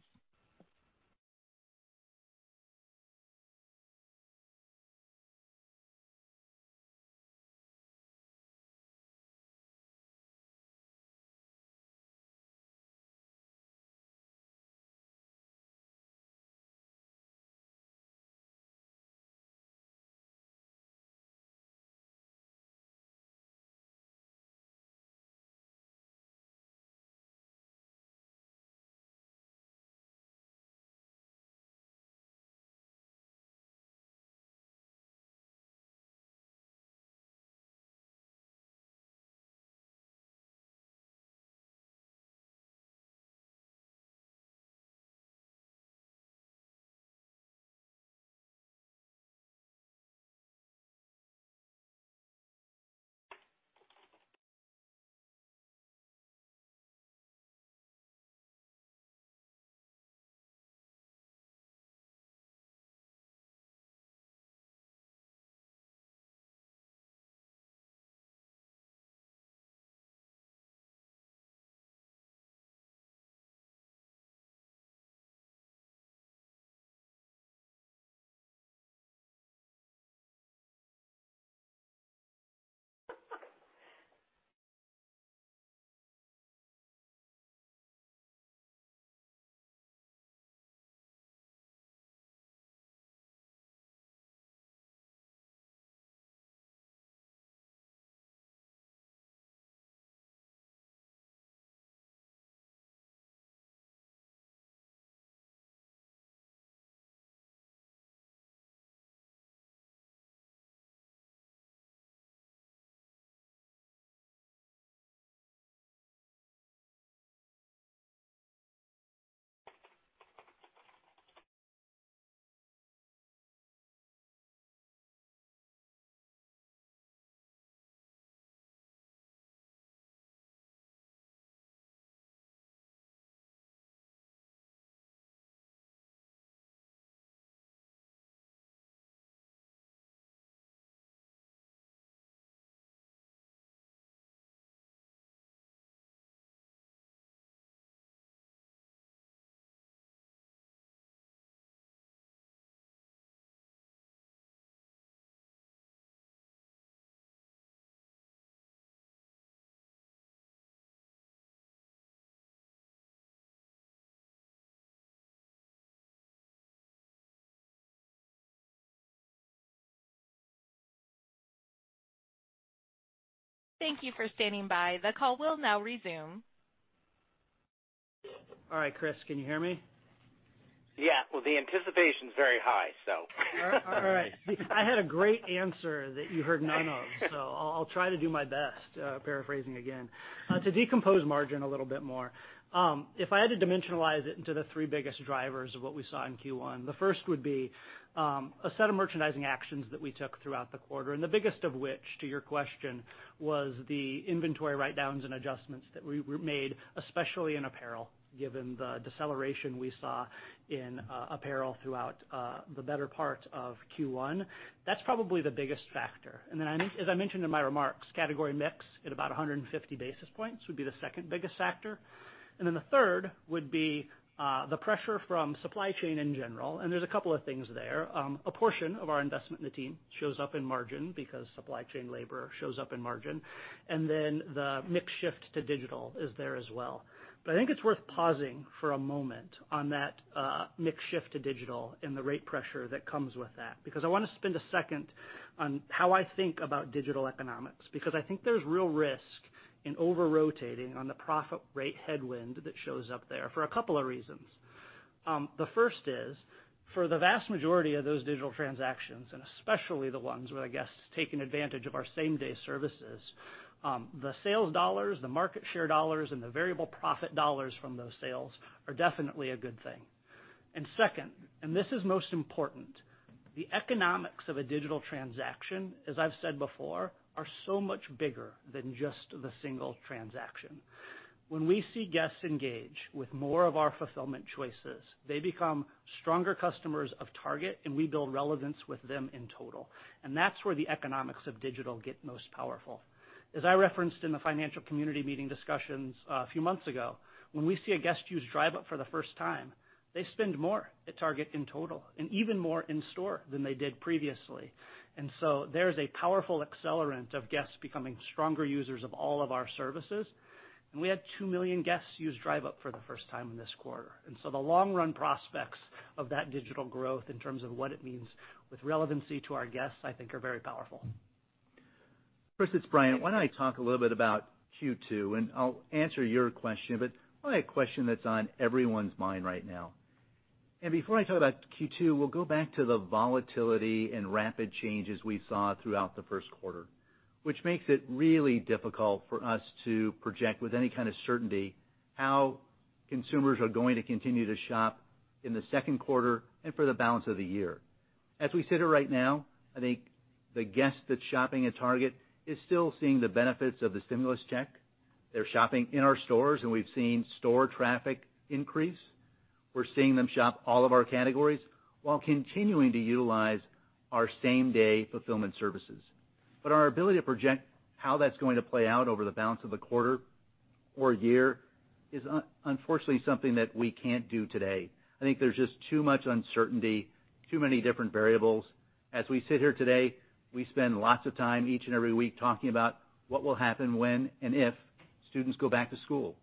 Thank you for standing by. The call will now resume. All right, Chris, can you hear me? Yeah. Well, the anticipation's very high, so All right. I had a great answer that you heard none of. I'll try to do my best paraphrasing again. To decompose margin a little bit more, if I had to dimensionalize it into the three biggest drivers of what we saw in Q1, the first would be a set of merchandising actions that we took throughout the quarter. The biggest of which, to your question, was the inventory write-downs and adjustments that we made, especially in apparel, given the deceleration we saw in apparel throughout the better part of Q1. That's probably the biggest factor. As I mentioned in my remarks, category mix at about 150 basis points would be the second biggest factor. The third would be the pressure from supply chain in general. There's a couple of things there. A portion of our investment in the team shows up in margin because supply chain labor shows up in margin. The mix shift to digital is there as well. I think it's worth pausing for a moment on that mix shift to digital and the rate pressure that comes with that, because I want to spend a second on how I think about digital economics, because I think there's real risk in over-rotating on the profit rate headwind that shows up there for a couple of reasons. The first is for the vast majority of those digital transactions, and especially the ones where a guest's taking advantage of our same-day services, the sales dollars, the market share dollars, and the variable profit dollars from those sales are definitely a good thing. Second, and this is most important, the economics of a digital transaction, as I've said before, are so much bigger than just the single transaction. When we see guests engage with more of our fulfillment choices, they become stronger customers of Target, and we build relevance with them in total, and that's where the economics of digital get most powerful. As I referenced in the financial community meeting discussions a few months ago, when we see a guest use Drive Up for the first time, they spend more at Target in total and even more in-store than they did previously. There is a powerful accelerant of guests becoming stronger users of all of our services. We had 2 million guests use Drive Up for the first time this quarter. The long-run prospects of that digital growth in terms of what it means with relevancy to our guests, I think, are very powerful. Chris, it's Brian. Why don't I talk a little bit about Q2, and I'll answer your question, but probably a question that's on everyone's mind right now. Before I talk about Q2, we'll go back to the volatility and rapid changes we saw throughout the first quarter, which makes it really difficult for us to project with any kind of certainty how consumers are going to continue to shop in the second quarter and for the balance of the year. As we sit here right now, I think the guest that's shopping at Target is still seeing the benefits of the stimulus check. They're shopping in our stores, and we've seen store traffic increase. We're seeing them shop all of our categories while continuing to utilize our same-day fulfillment services. Our ability to project how that's going to play out over the balance of the quarter or year is unfortunately something that we can't do today. I think there's just too much uncertainty, too many different variables. As we sit here today, we spend lots of time each and every week talking about what will happen when and if students go back to school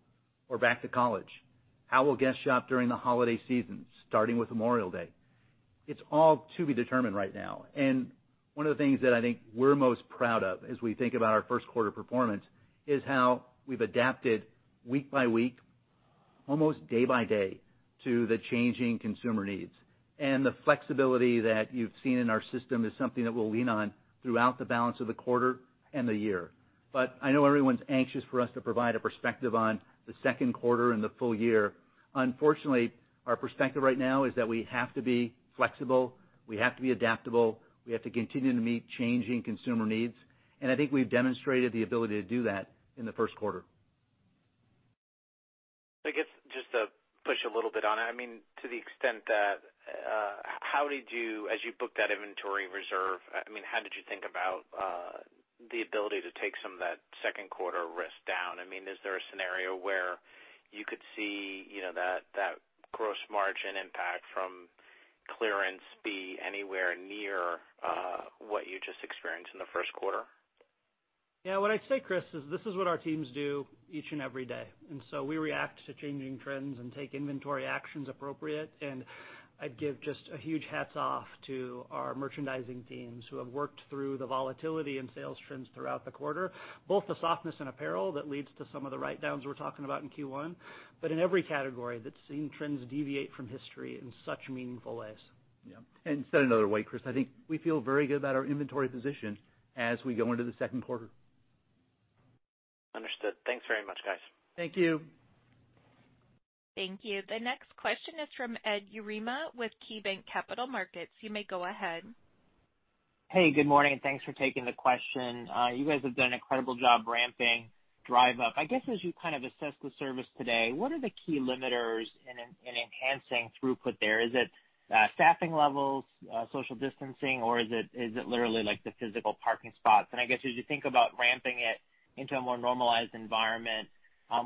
or back to college. How will guests shop during the holiday season, starting with Memorial Day? It's all to be determined right now. One of the things that I think we're most proud of as we think about our first quarter performance is how we've adapted week by week, almost day by day, to the changing consumer needs. The flexibility that you've seen in our system is something that we'll lean on throughout the balance of the quarter and the year. I know everyone's anxious for us to provide a perspective on the second quarter and the full year. Unfortunately, our perspective right now is that we have to be flexible, we have to be adaptable, we have to continue to meet changing consumer needs, and I think we've demonstrated the ability to do that in the first quarter. I guess just to push a little bit on it, to the extent that, how did you, as you booked that inventory reserve, how did you think about the ability to take some of that second quarter risk down? Is there a scenario where you could see that gross margin impact from clearance be anywhere near what you just experienced in the first quarter? Yeah. What I'd say, Chris, is this is what our teams do each and every day. We react to changing trends and take inventory actions appropriate. I'd give just a huge hats off to our merchandising teams who have worked through the volatility in sales trends throughout the quarter, both the softness in apparel that leads to some of the write-downs we're talking about in Q1, but in every category that's seen trends deviate from history in such meaningful ways. Yeah. Said another way, Chris, I think we feel very good about our inventory position as we go into the second quarter. Understood. Thanks very much, guys. Thank you. Thank you. The next question is from Edward Yruma with KeyBanc Capital Markets. You may go ahead. Hey, good morning, and thanks for taking the question. You guys have done an incredible job ramping Drive Up. I guess as you kind of assess the service today, what are the key limiters in enhancing throughput there? Is it staffing levels, social distancing, or is it literally the physical parking spots? I guess as you think about ramping it into a more normalized environment,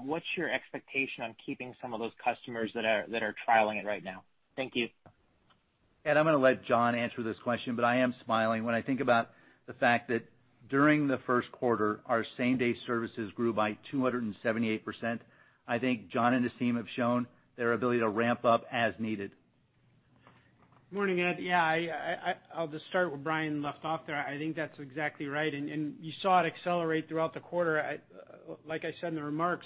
what's your expectation on keeping some of those customers that are trialing it right now? Thank you. Ed, I'm going to let John answer this question, but I am smiling when I think about the fact that during the first quarter, our same-day services grew by 278%. I think John and his team have shown their ability to ramp up as needed. Morning, Ed. Yeah, I'll just start where Brian left off there. I think that's exactly right, and you saw it accelerate throughout the quarter. Like I said in the remarks,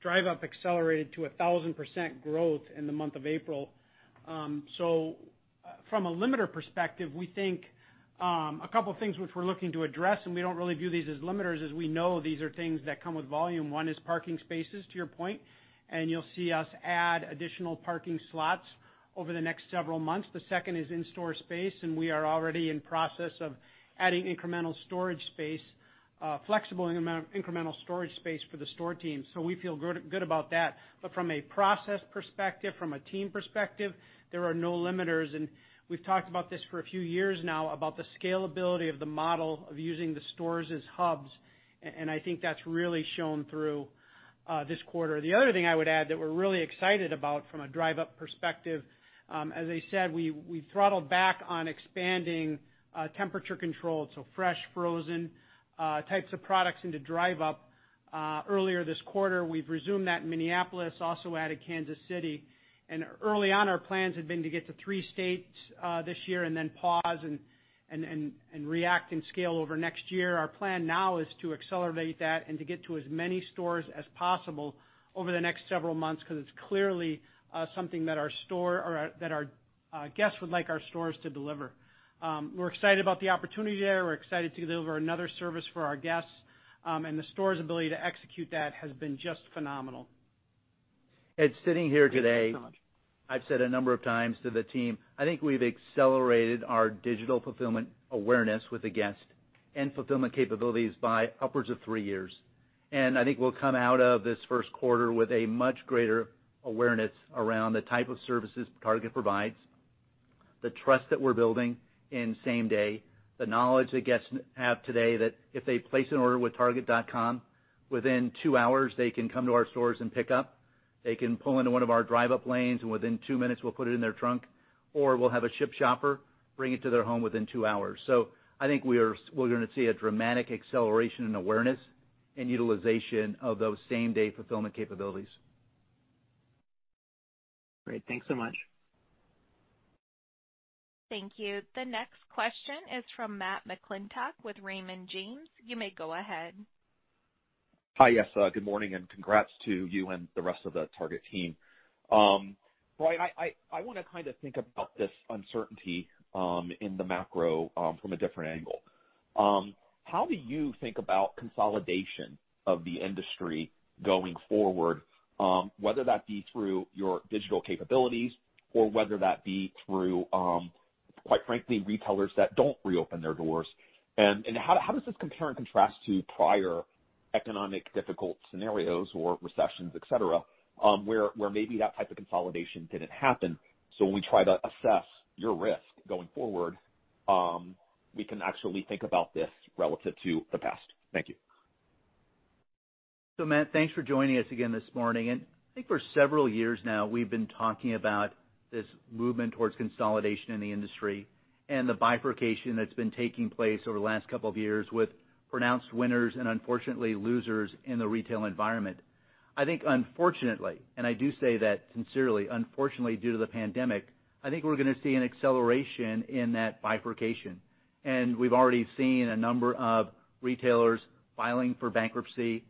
Drive Up accelerated to 1,000% growth in the month of April. From a limiter perspective, we think a couple of things which we're looking to address, and we don't really view these as limiters, as we know these are things that come with volume. One is parking spaces, to your point, and you'll see us add additional parking slots over the next several months. The second is in-store space, and we are already in process of adding incremental storage space, flexible incremental storage space for the store team. We feel good about that. From a process perspective, from a team perspective, there are no limiters. We've talked about this for a few years now about the scalability of the model of using the stores as hubs, and I think that's really shown through this quarter. The other thing I would add that we're really excited about from a Drive Up perspective, as I said, we throttled back on expanding temperature-controlled, so fresh, frozen types of products into Drive Up earlier this quarter. We've resumed that in Minneapolis, also added Kansas City. Early on, our plans had been to get to three states this year and then pause and react and scale over next year. Our plan now is to accelerate that and to get to as many stores as possible over the next several months because it's clearly something that our Guests would like our stores to deliver. We're excited about the opportunity there. We're excited to deliver another service for our guests, and the store's ability to execute that has been just phenomenal. Ed, sitting here today, I've said a number of times to the team, I think we've accelerated our digital fulfillment awareness with the guest and fulfillment capabilities by upwards of three years. I think we'll come out of this first quarter with a much greater awareness around the type of services Target provides, the trust that we're building in same-day, the knowledge that guests have today that if they place an order with Target.com, within two hours, they can come to our stores and pick up. They can pull into one of our Drive Up lanes, and within two minutes, we'll put it in their trunk, or we'll have a Shipt Shopper bring it to their home within two hours. I think we're going to see a dramatic acceleration in awareness and utilization of those same-day fulfillment capabilities. Great. Thanks so much. Thank you. The next question is from Matt McClintock with Raymond James. You may go ahead. Hi. Yes. Good morning, and congrats to you and the rest of the Target team. Brian, I want to kind of think about this uncertainty in the macro from a different angle. How do you think about consolidation of the industry going forward? Whether that be through your digital capabilities or whether that be through, quite frankly, retailers that don't reopen their doors. How does this compare and contrast to prior economic difficult scenarios or recessions, et cetera, where maybe that type of consolidation didn't happen? When we try to assess your risk going forward, we can actually think about this relative to the past. Thank you. Matt, thanks for joining us again this morning. I think for several years now, we've been talking about this movement towards consolidation in the industry and the bifurcation that's been taking place over the last couple of years with pronounced winners and unfortunately losers in the retail environment. I think unfortunately, and I do say that sincerely, unfortunately, due to the pandemic, I think we're going to see an acceleration in that bifurcation. We've already seen a number of retailers filing for bankruptcy.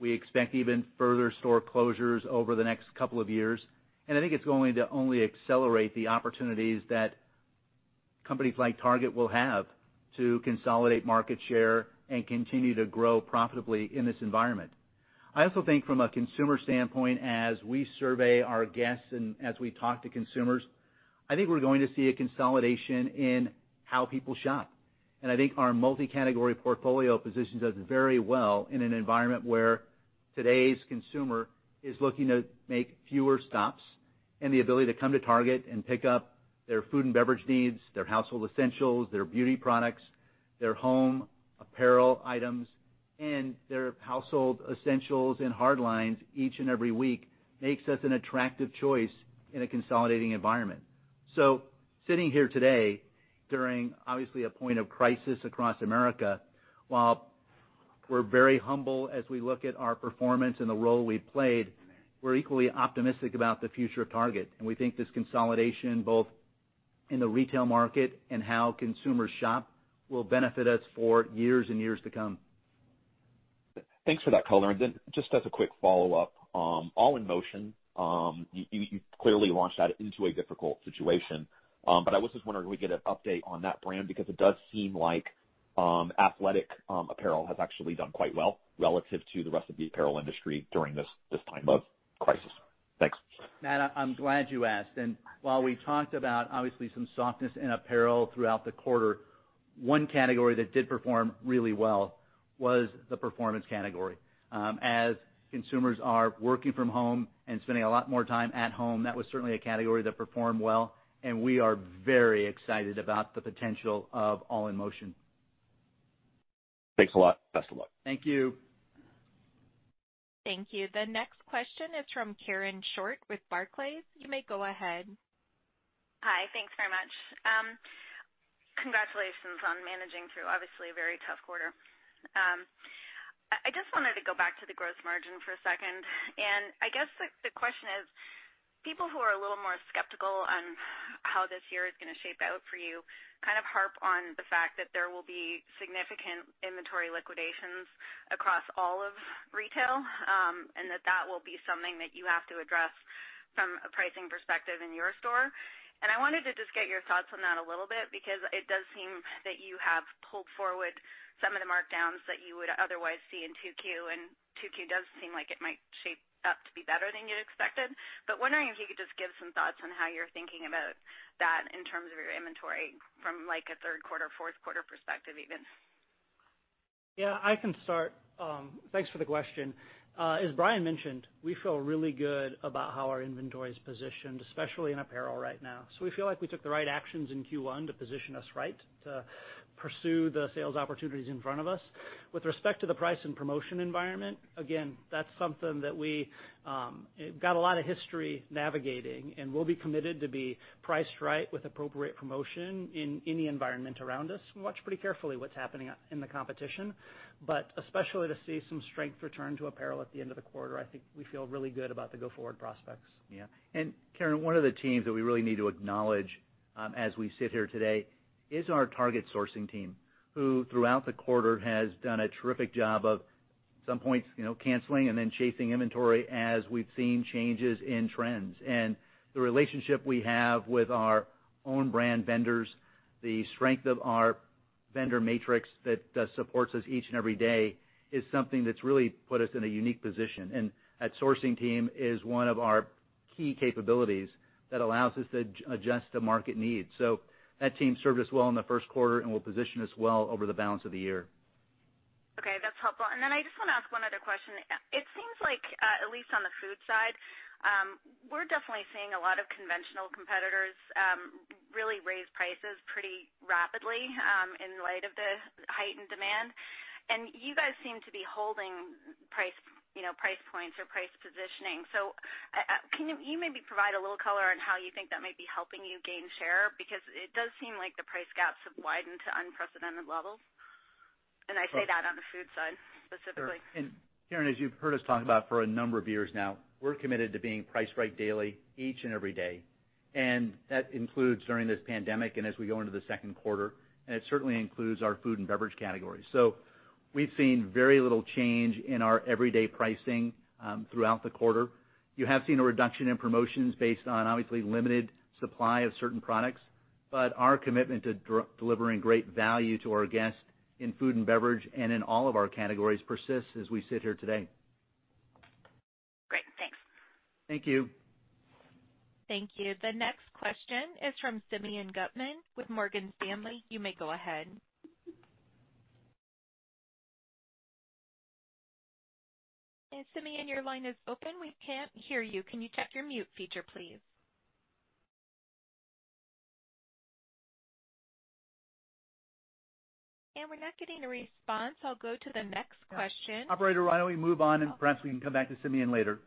We expect even further store closures over the next couple of years, and I think it's going to only accelerate the opportunities that companies like Target will have to consolidate market share and continue to grow profitably in this environment. I also think from a consumer standpoint, as we survey our guests and as we talk to consumers, I think we're going to see a consolidation in how people shop. I think our multi-category portfolio positions us very well in an environment where today's consumer is looking to make fewer stops and the ability to come to Target and pick up their food and beverage needs, their household essentials, their beauty products, their home apparel items, and their household essentials and hardlines each and every week makes us an attractive choice in a consolidating environment. Sitting here today during obviously a point of crisis across America, while we are very humble as we look at our performance and the role we played, we are equally optimistic about the future of Target, and we think this consolidation, both in the retail market and how consumers shop, will benefit us for years and years to come. Thanks for that color. Just as a quick follow-up, All In Motion, you clearly launched that into a difficult situation. I was just wondering, do we get an update on that brand? Because it does seem like athletic apparel has actually done quite well relative to the rest of the apparel industry during this time of crisis. Thanks. Matt, I'm glad you asked. While we've talked about obviously some softness in apparel throughout the quarter, one category that did perform really well was the performance category. As consumers are working from home and spending a lot more time at home, that was certainly a category that performed well, and we are very excited about the potential of All In Motion. Thanks a lot. Best of luck. Thank you. Thank you. The next question is from Karen Short with Barclays. You may go ahead. Hi. Thanks very much. Congratulations on managing through obviously a very tough quarter. I just wanted to go back to the gross margin for a second. I guess the question is, people who are a little more skeptical on how this year is going to shape out for you kind of harp on the fact that there will be significant inventory liquidations across all of retail, and that that will be something that you have to address from a pricing perspective in your store. I wanted to just get your thoughts on that a little bit because it does seem that you have pulled forward some of the markdowns that you would otherwise see in Q2, and Q2 does seem like it might shape up to be better than you'd expected. Wondering if you could just give some thoughts on how you're thinking about that in terms of your inventory from like a third quarter, fourth quarter perspective even. Yeah, I can start. Thanks for the question. As Brian mentioned, we feel really good about how our inventory is positioned, especially in apparel right now. We feel like we took the right actions in Q1 to position us right to pursue the sales opportunities in front of us. With respect to the price and promotion environment, again, that's something that we got a lot of history navigating, and we'll be committed to be priced right with appropriate promotion in any environment around us. We watch pretty carefully what's happening in the competition, especially to see some strength return to apparel at the end of the quarter, I think we feel really good about the go-forward prospects. Yeah. Karen, one of the teams that we really need to acknowledge as we sit here today is our Target sourcing team, who throughout the quarter has done a terrific job of canceling and then chasing inventory as we've seen changes in trends. The relationship we have with our owned brand vendors, the strength of our vendor matrix that supports us each and every day, is something that's really put us in a unique position. That sourcing team is one of our key capabilities that allows us to adjust to market needs. That team served us well in the first quarter and will position us well over the balance of the year. Okay. That's helpful. I just want to ask one other question. It seems like, at least on the food side, we're definitely seeing a lot of conventional competitors really raise prices pretty rapidly in light of the heightened demand. You guys seem to be holding price points or price positioning. Can you maybe provide a little color on how you think that might be helping you gain share? Because it does seem like the price gaps have widened to unprecedented levels. I say that on the food side specifically. Sure. Karen, as you've heard us talk about for a number of years now, we're committed to being priced right daily, each and every day. That includes during this pandemic and as we go into the second quarter. It certainly includes our food and beverage category. We've seen very little change in our everyday pricing throughout the quarter. You have seen a reduction in promotions based on, obviously, limited supply of certain products, but our commitment to delivering great value to our guests in food and beverage and in all of our categories persists as we sit here today. Great. Thanks. Thank you. Thank you. The next question is from Simeon Gutman with Morgan Stanley. You may go ahead. Simeon, your line is open. We can't hear you. Can you check your mute feature, please? We're not getting a response, I'll go to the next question. Operator, why don't we move on, and perhaps we can come back to Simeon later.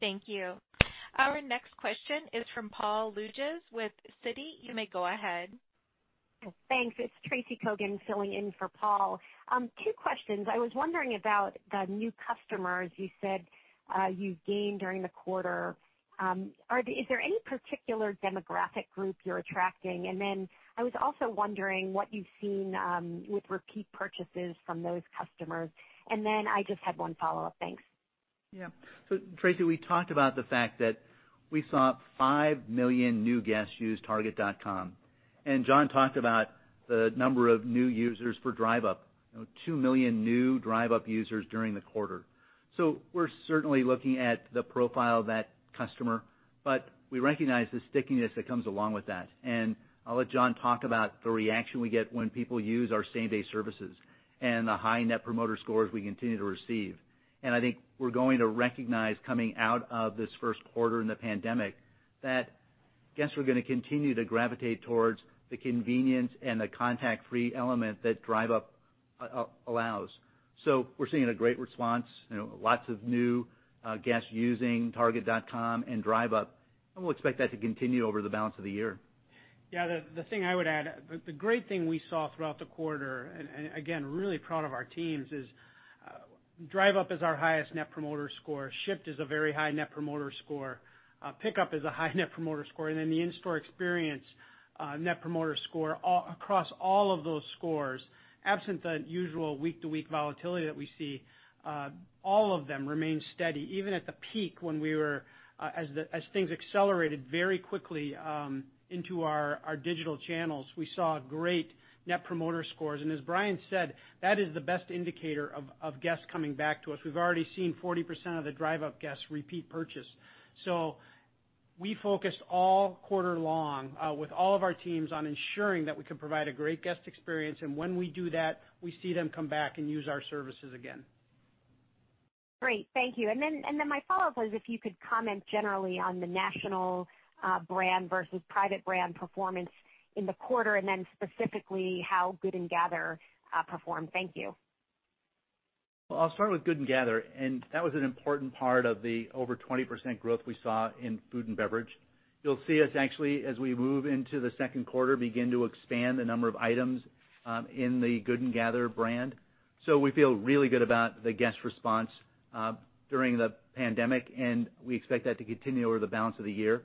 Thank you. Our next question is from Paul Lejuez with Citi. You may go ahead. Thanks. It's Tracy Kogan filling in for Paul. Two questions. I was wondering about the new customers you said you gained during the quarter. Is there any particular demographic group you're attracting? I was also wondering what you've seen with repeat purchases from those customers. I just had one follow-up. Thanks. Tracy, we talked about the fact that we saw 5 million new guests use Target.com. John talked about the number of new users for Drive Up, 2 million new Drive Up users during the quarter. We're certainly looking at the profile of that customer, but we recognize the stickiness that comes along with that. I'll let John talk about the reaction we get when people use our same-day services and the high Net Promoter Scores we continue to receive. I think we're going to recognize coming out of this first quarter in the pandemic that guests are going to continue to gravitate towards the convenience and the contact-free element that Drive Up allows. We're seeing a great response, lots of new guests using Target.com and Drive Up, and we'll expect that to continue over the balance of the year. Yeah, the thing I would add, the great thing we saw throughout the quarter, and again, really proud of our teams is, Drive Up is our highest Net Promoter Score. Shipt is a very high Net Promoter Score. Pickup is a high Net Promoter Score. The in-store experience Net Promoter Score across all of those scores, absent the usual week-to-week volatility that we see, all of them remain steady. Even at the peak as things accelerated very quickly into our digital channels, we saw great Net Promoter Scores. As Brian said, that is the best indicator of guests coming back to us. We've already seen 40% of the Drive Up guests repeat purchase. We focused all quarter long with all of our teams on ensuring that we could provide a great guest experience. When we do that, we see them come back and use our services again. Great. Thank you. My follow-up was if you could comment generally on the national brand versus private brand performance in the quarter, and then specifically how Good & Gather performed. Thank you. I'll start with Good & Gather, that was an important part of the over 20% growth we saw in food and beverage. You'll see us actually, as we move into the second quarter, begin to expand the number of items in the Good & Gather brand. We feel really good about the guest response during the pandemic, we expect that to continue over the balance of the year.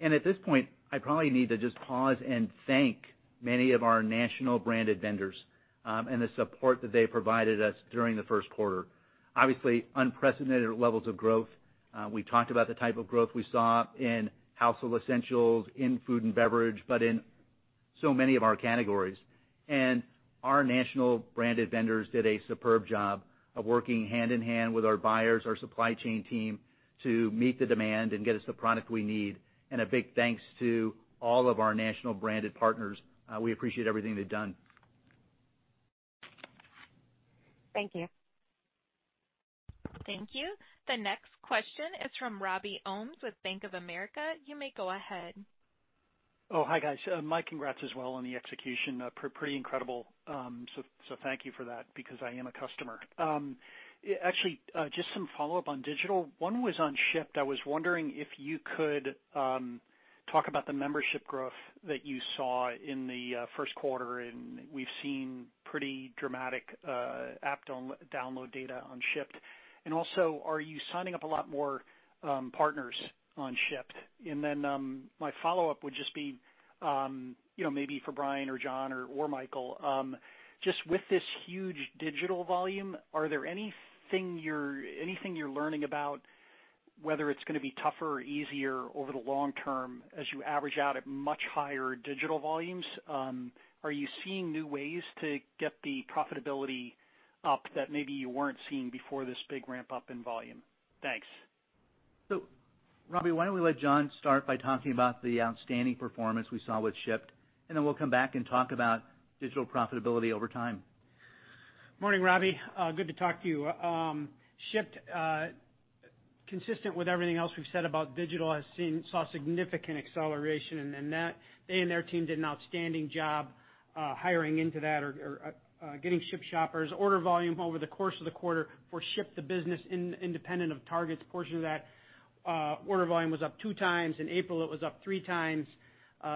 At this point, I probably need to just pause and thank many of our national branded vendors and the support that they provided us during the first quarter. Obviously, unprecedented levels of growth. We talked about the type of growth we saw in household essentials, in food and beverage, but in so many of our categories. Our national branded vendors did a superb job of working hand in hand with our buyers, our supply chain team to meet the demand and get us the product we need and a big thanks to all of our national branded partners. We appreciate everything they've done. Thank you. Thank you. The next question is from Robert Ohmes with Bank of America. You may go ahead. Oh, hi, guys. My congrats as well on the execution. Pretty incredible, so thank you for that because I am a customer. Actually, just some follow-up on digital. One was on Shipt. I was wondering if you could talk about the membership growth that you saw in the first quarter, and we've seen pretty dramatic app download data on Shipt. Also, are you signing up a lot more partners on Shipt? Then my follow-up would just be maybe for Brian or John or Michael, just with this huge digital volume, are there anything you're learning about? Whether it's going to be tougher or easier over the long term as you average out at much higher digital volumes, are you seeing new ways to get the profitability up that maybe you weren't seeing before this big ramp up in volume? Thanks. Robbie, why don't we let John start by talking about the outstanding performance we saw with Shipt, and then we'll come back and talk about digital profitability over time. Morning, Robbie. Good to talk to you. Shipt, consistent with everything else we've said about digital, saw significant acceleration, and they and their team did an outstanding job hiring into that or getting Shipt Shoppers. Order volume over the course of the quarter for Shipt, the business independent of Target's portion of that, order volume was up two times. In April, it was up three times.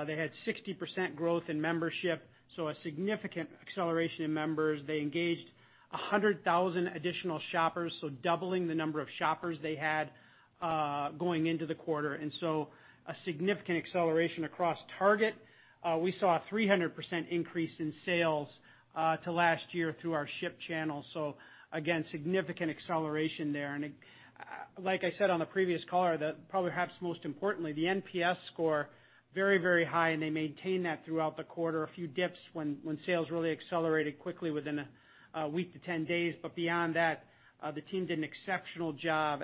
They had 60% growth in membership, so a significant acceleration in members. They engaged 100,000 additional shoppers, so doubling the number of shoppers they had going into the quarter. A significant acceleration across Target. We saw a 300% increase in sales to last year through our Shipt channel. Again, significant acceleration there. Like I said on the previous call, probably perhaps most importantly, the NPS score, very high, and they maintained that throughout the quarter. A few dips when sales really accelerated quickly within a week to 10 days. Beyond that, the team did an exceptional job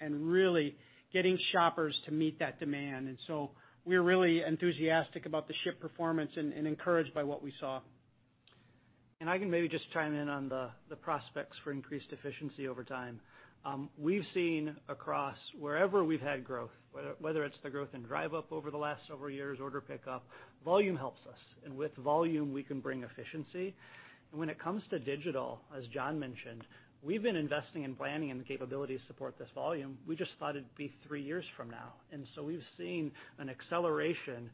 and really getting shoppers to meet that demand. We're really enthusiastic about the Shipt performance and encouraged by what we saw. I can maybe just chime in on the prospects for increased efficiency over time. We've seen across wherever we've had growth, whether it's the growth in Drive Up over the last several years, Order Pickup, volume helps us. With volume, we can bring efficiency. When it comes to digital, as John mentioned, we've been investing in planning and the capability to support this volume. We just thought it'd be three years from now. We've seen an acceleration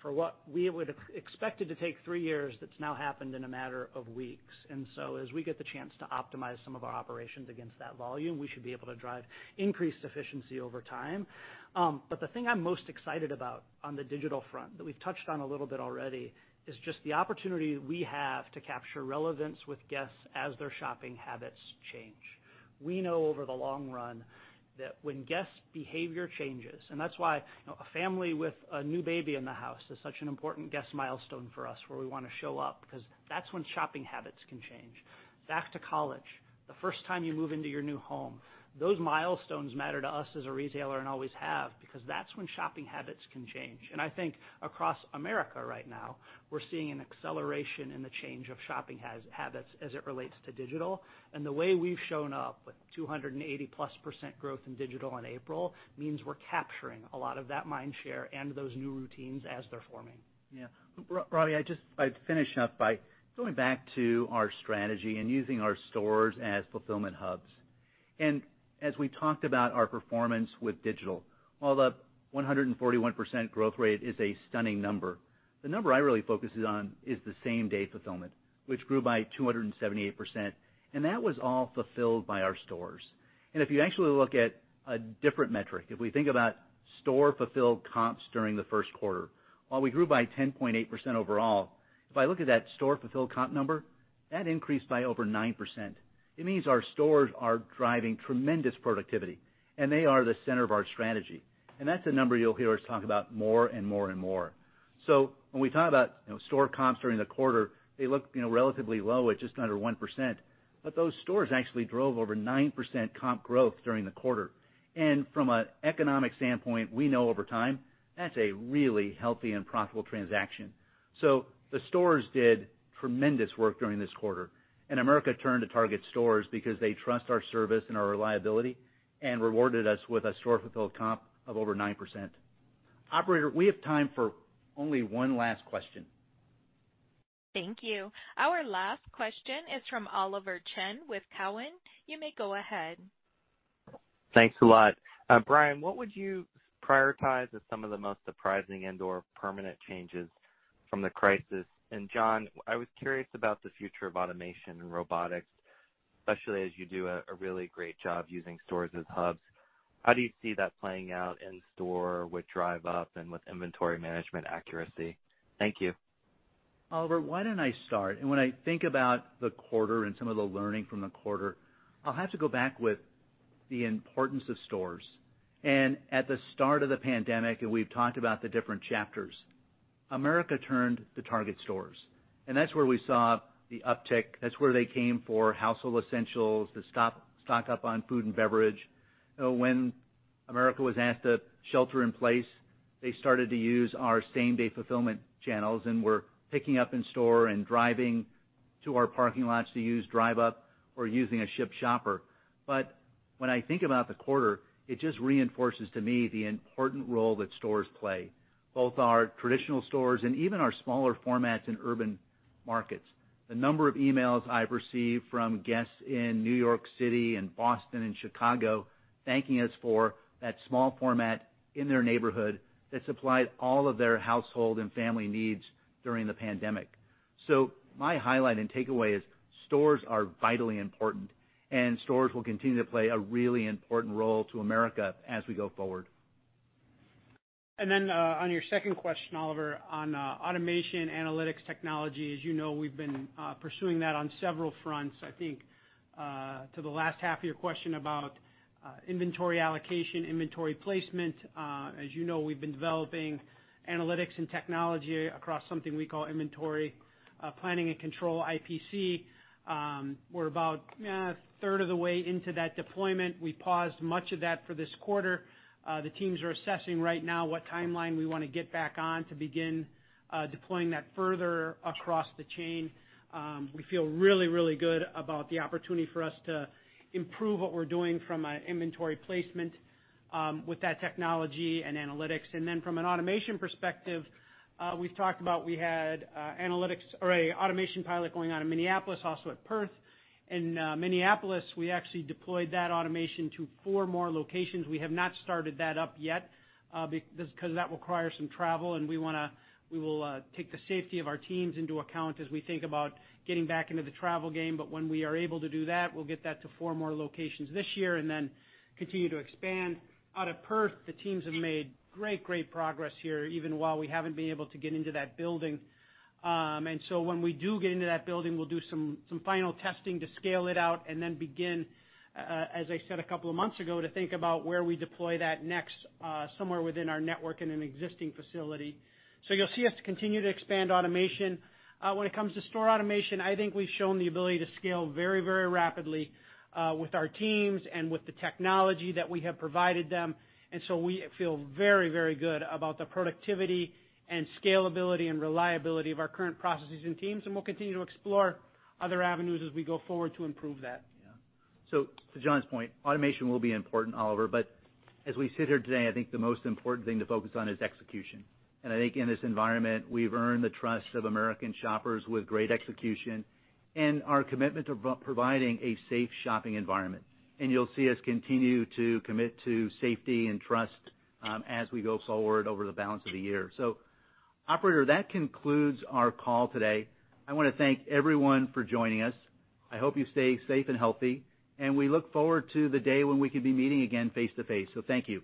for what we would've expected to take three years that's now happened in a matter of weeks. As we get the chance to optimize some of our operations against that volume, we should be able to drive increased efficiency over time. The thing I'm most excited about on the digital front that we've touched on a little bit already is just the opportunity we have to capture relevance with guests as their shopping habits change. We know over the long run that when guests' behavior changes, and that's why a family with a new baby in the house is such an important guest milestone for us, where we want to show up because that's when shopping habits can change. Back to college, the first time you move into your new home, those milestones matter to us as a retailer and always have, because that's when shopping habits can change. I think across America right now, we're seeing an acceleration in the change of shopping habits as it relates to digital. The way we've shown up with 280-plus% growth in digital in April means we're capturing a lot of that mind share and those new routines as they're forming. Robbie, I'd finish up by going back to our strategy and using our stores as fulfillment hubs. As we talked about our performance with digital, while the 141% growth rate is a stunning number, the number I really focus on is the same-day fulfillment, which grew by 278%. That was all fulfilled by our stores. If you actually look at a different metric, if we think about store-fulfilled comps during the first quarter, while we grew by 10.8% overall, if I look at that store-fulfilled comp number, that increased by over 9%. It means our stores are driving tremendous productivity, and they are the center of our strategy. That's a number you'll hear us talk about more and more. When we talk about store comps during the quarter, they look relatively low at just under 1%, but those stores actually drove over 9% comp growth during the quarter. From an economic standpoint, we know over time, that's a really healthy and profitable transaction. The stores did tremendous work during this quarter, and America turned to Target stores because they trust our service and our reliability and rewarded us with a store-fulfilled comp of over 9%. Operator, we have time for only one last question. Thank you. Our last question is from Oliver Chen with Cowen. You may go ahead. Thanks a lot. Brian, what would you prioritize as some of the most surprising and/or permanent changes from the crisis? John, I was curious about the future of automation and robotics, especially as you do a really great job using stores as hubs. How do you see that playing out in store with Drive Up and with inventory management accuracy? Thank you. Oliver, why don't I start? When I think about the quarter and some of the learning from the quarter, I'll have to go back with the importance of stores. At the start of the pandemic, and we've talked about the different chapters, America turned to Target stores, and that's where we saw the uptick. That's where they came for household essentials, to stock up on food and beverage. When America was asked to shelter in place, they started to use our same-day fulfillment channels and were picking up in store and driving to our parking lots to use Drive Up or using a Shipt Shopper. When I think about the quarter, it just reinforces to me the important role that stores play, both our traditional stores and even our smaller formats in urban markets. The number of emails I've received from guests in New York City and Boston and Chicago thanking us for that small format in their neighborhood that supplied all of their household and family needs during the pandemic. My highlight and takeaway is stores are vitally important, and stores will continue to play a really important role to America as we go forward. On your second question, Oliver, on automation analytics technology, as you know, we've been pursuing that on several fronts. I think, to the last half of your question about inventory allocation, inventory placement, as you know, we've been developing analytics and technology across something we call Inventory Planning and Control, IPC. We're about a third of the way into that deployment. We paused much of that for this quarter. The teams are assessing right now what timeline we want to get back on to begin deploying that further across the chain. We feel really, really good about the opportunity for us to improve what we're doing from an inventory placement with that technology and analytics. From an automation perspective, we've talked about we had analytics or a automation pilot going on in Minneapolis, also at Perth. In Minneapolis, we actually deployed that automation to four more locations. We have not started that up yet, because that will require some travel, and we will take the safety of our teams into account as we think about getting back into the travel game. When we are able to do that, we'll get that to four more locations this year and then continue to expand. Out of Perth, the teams have made great progress here, even while we haven't been able to get into that building. When we do get into that building, we'll do some final testing to scale it out and then begin, as I said a couple of months ago, to think about where we deploy that next, somewhere within our network in an existing facility. You'll see us continue to expand automation. When it comes to store automation, I think we've shown the ability to scale very rapidly, with our teams and with the technology that we have provided them. We feel very good about the productivity and scalability and reliability of our current processes and teams, and we'll continue to explore other avenues as we go forward to improve that. Yeah. To John's point, automation will be important, Oliver, but as we sit here today, I think the most important thing to focus on is execution. I think in this environment, we've earned the trust of American shoppers with great execution and our commitment to providing a safe shopping environment. You'll see us continue to commit to safety and trust as we go forward over the balance of the year. Operator, that concludes our call today. I want to thank everyone for joining us. I hope you stay safe and healthy, and we look forward to the day when we can be meeting again face-to-face. Thank you.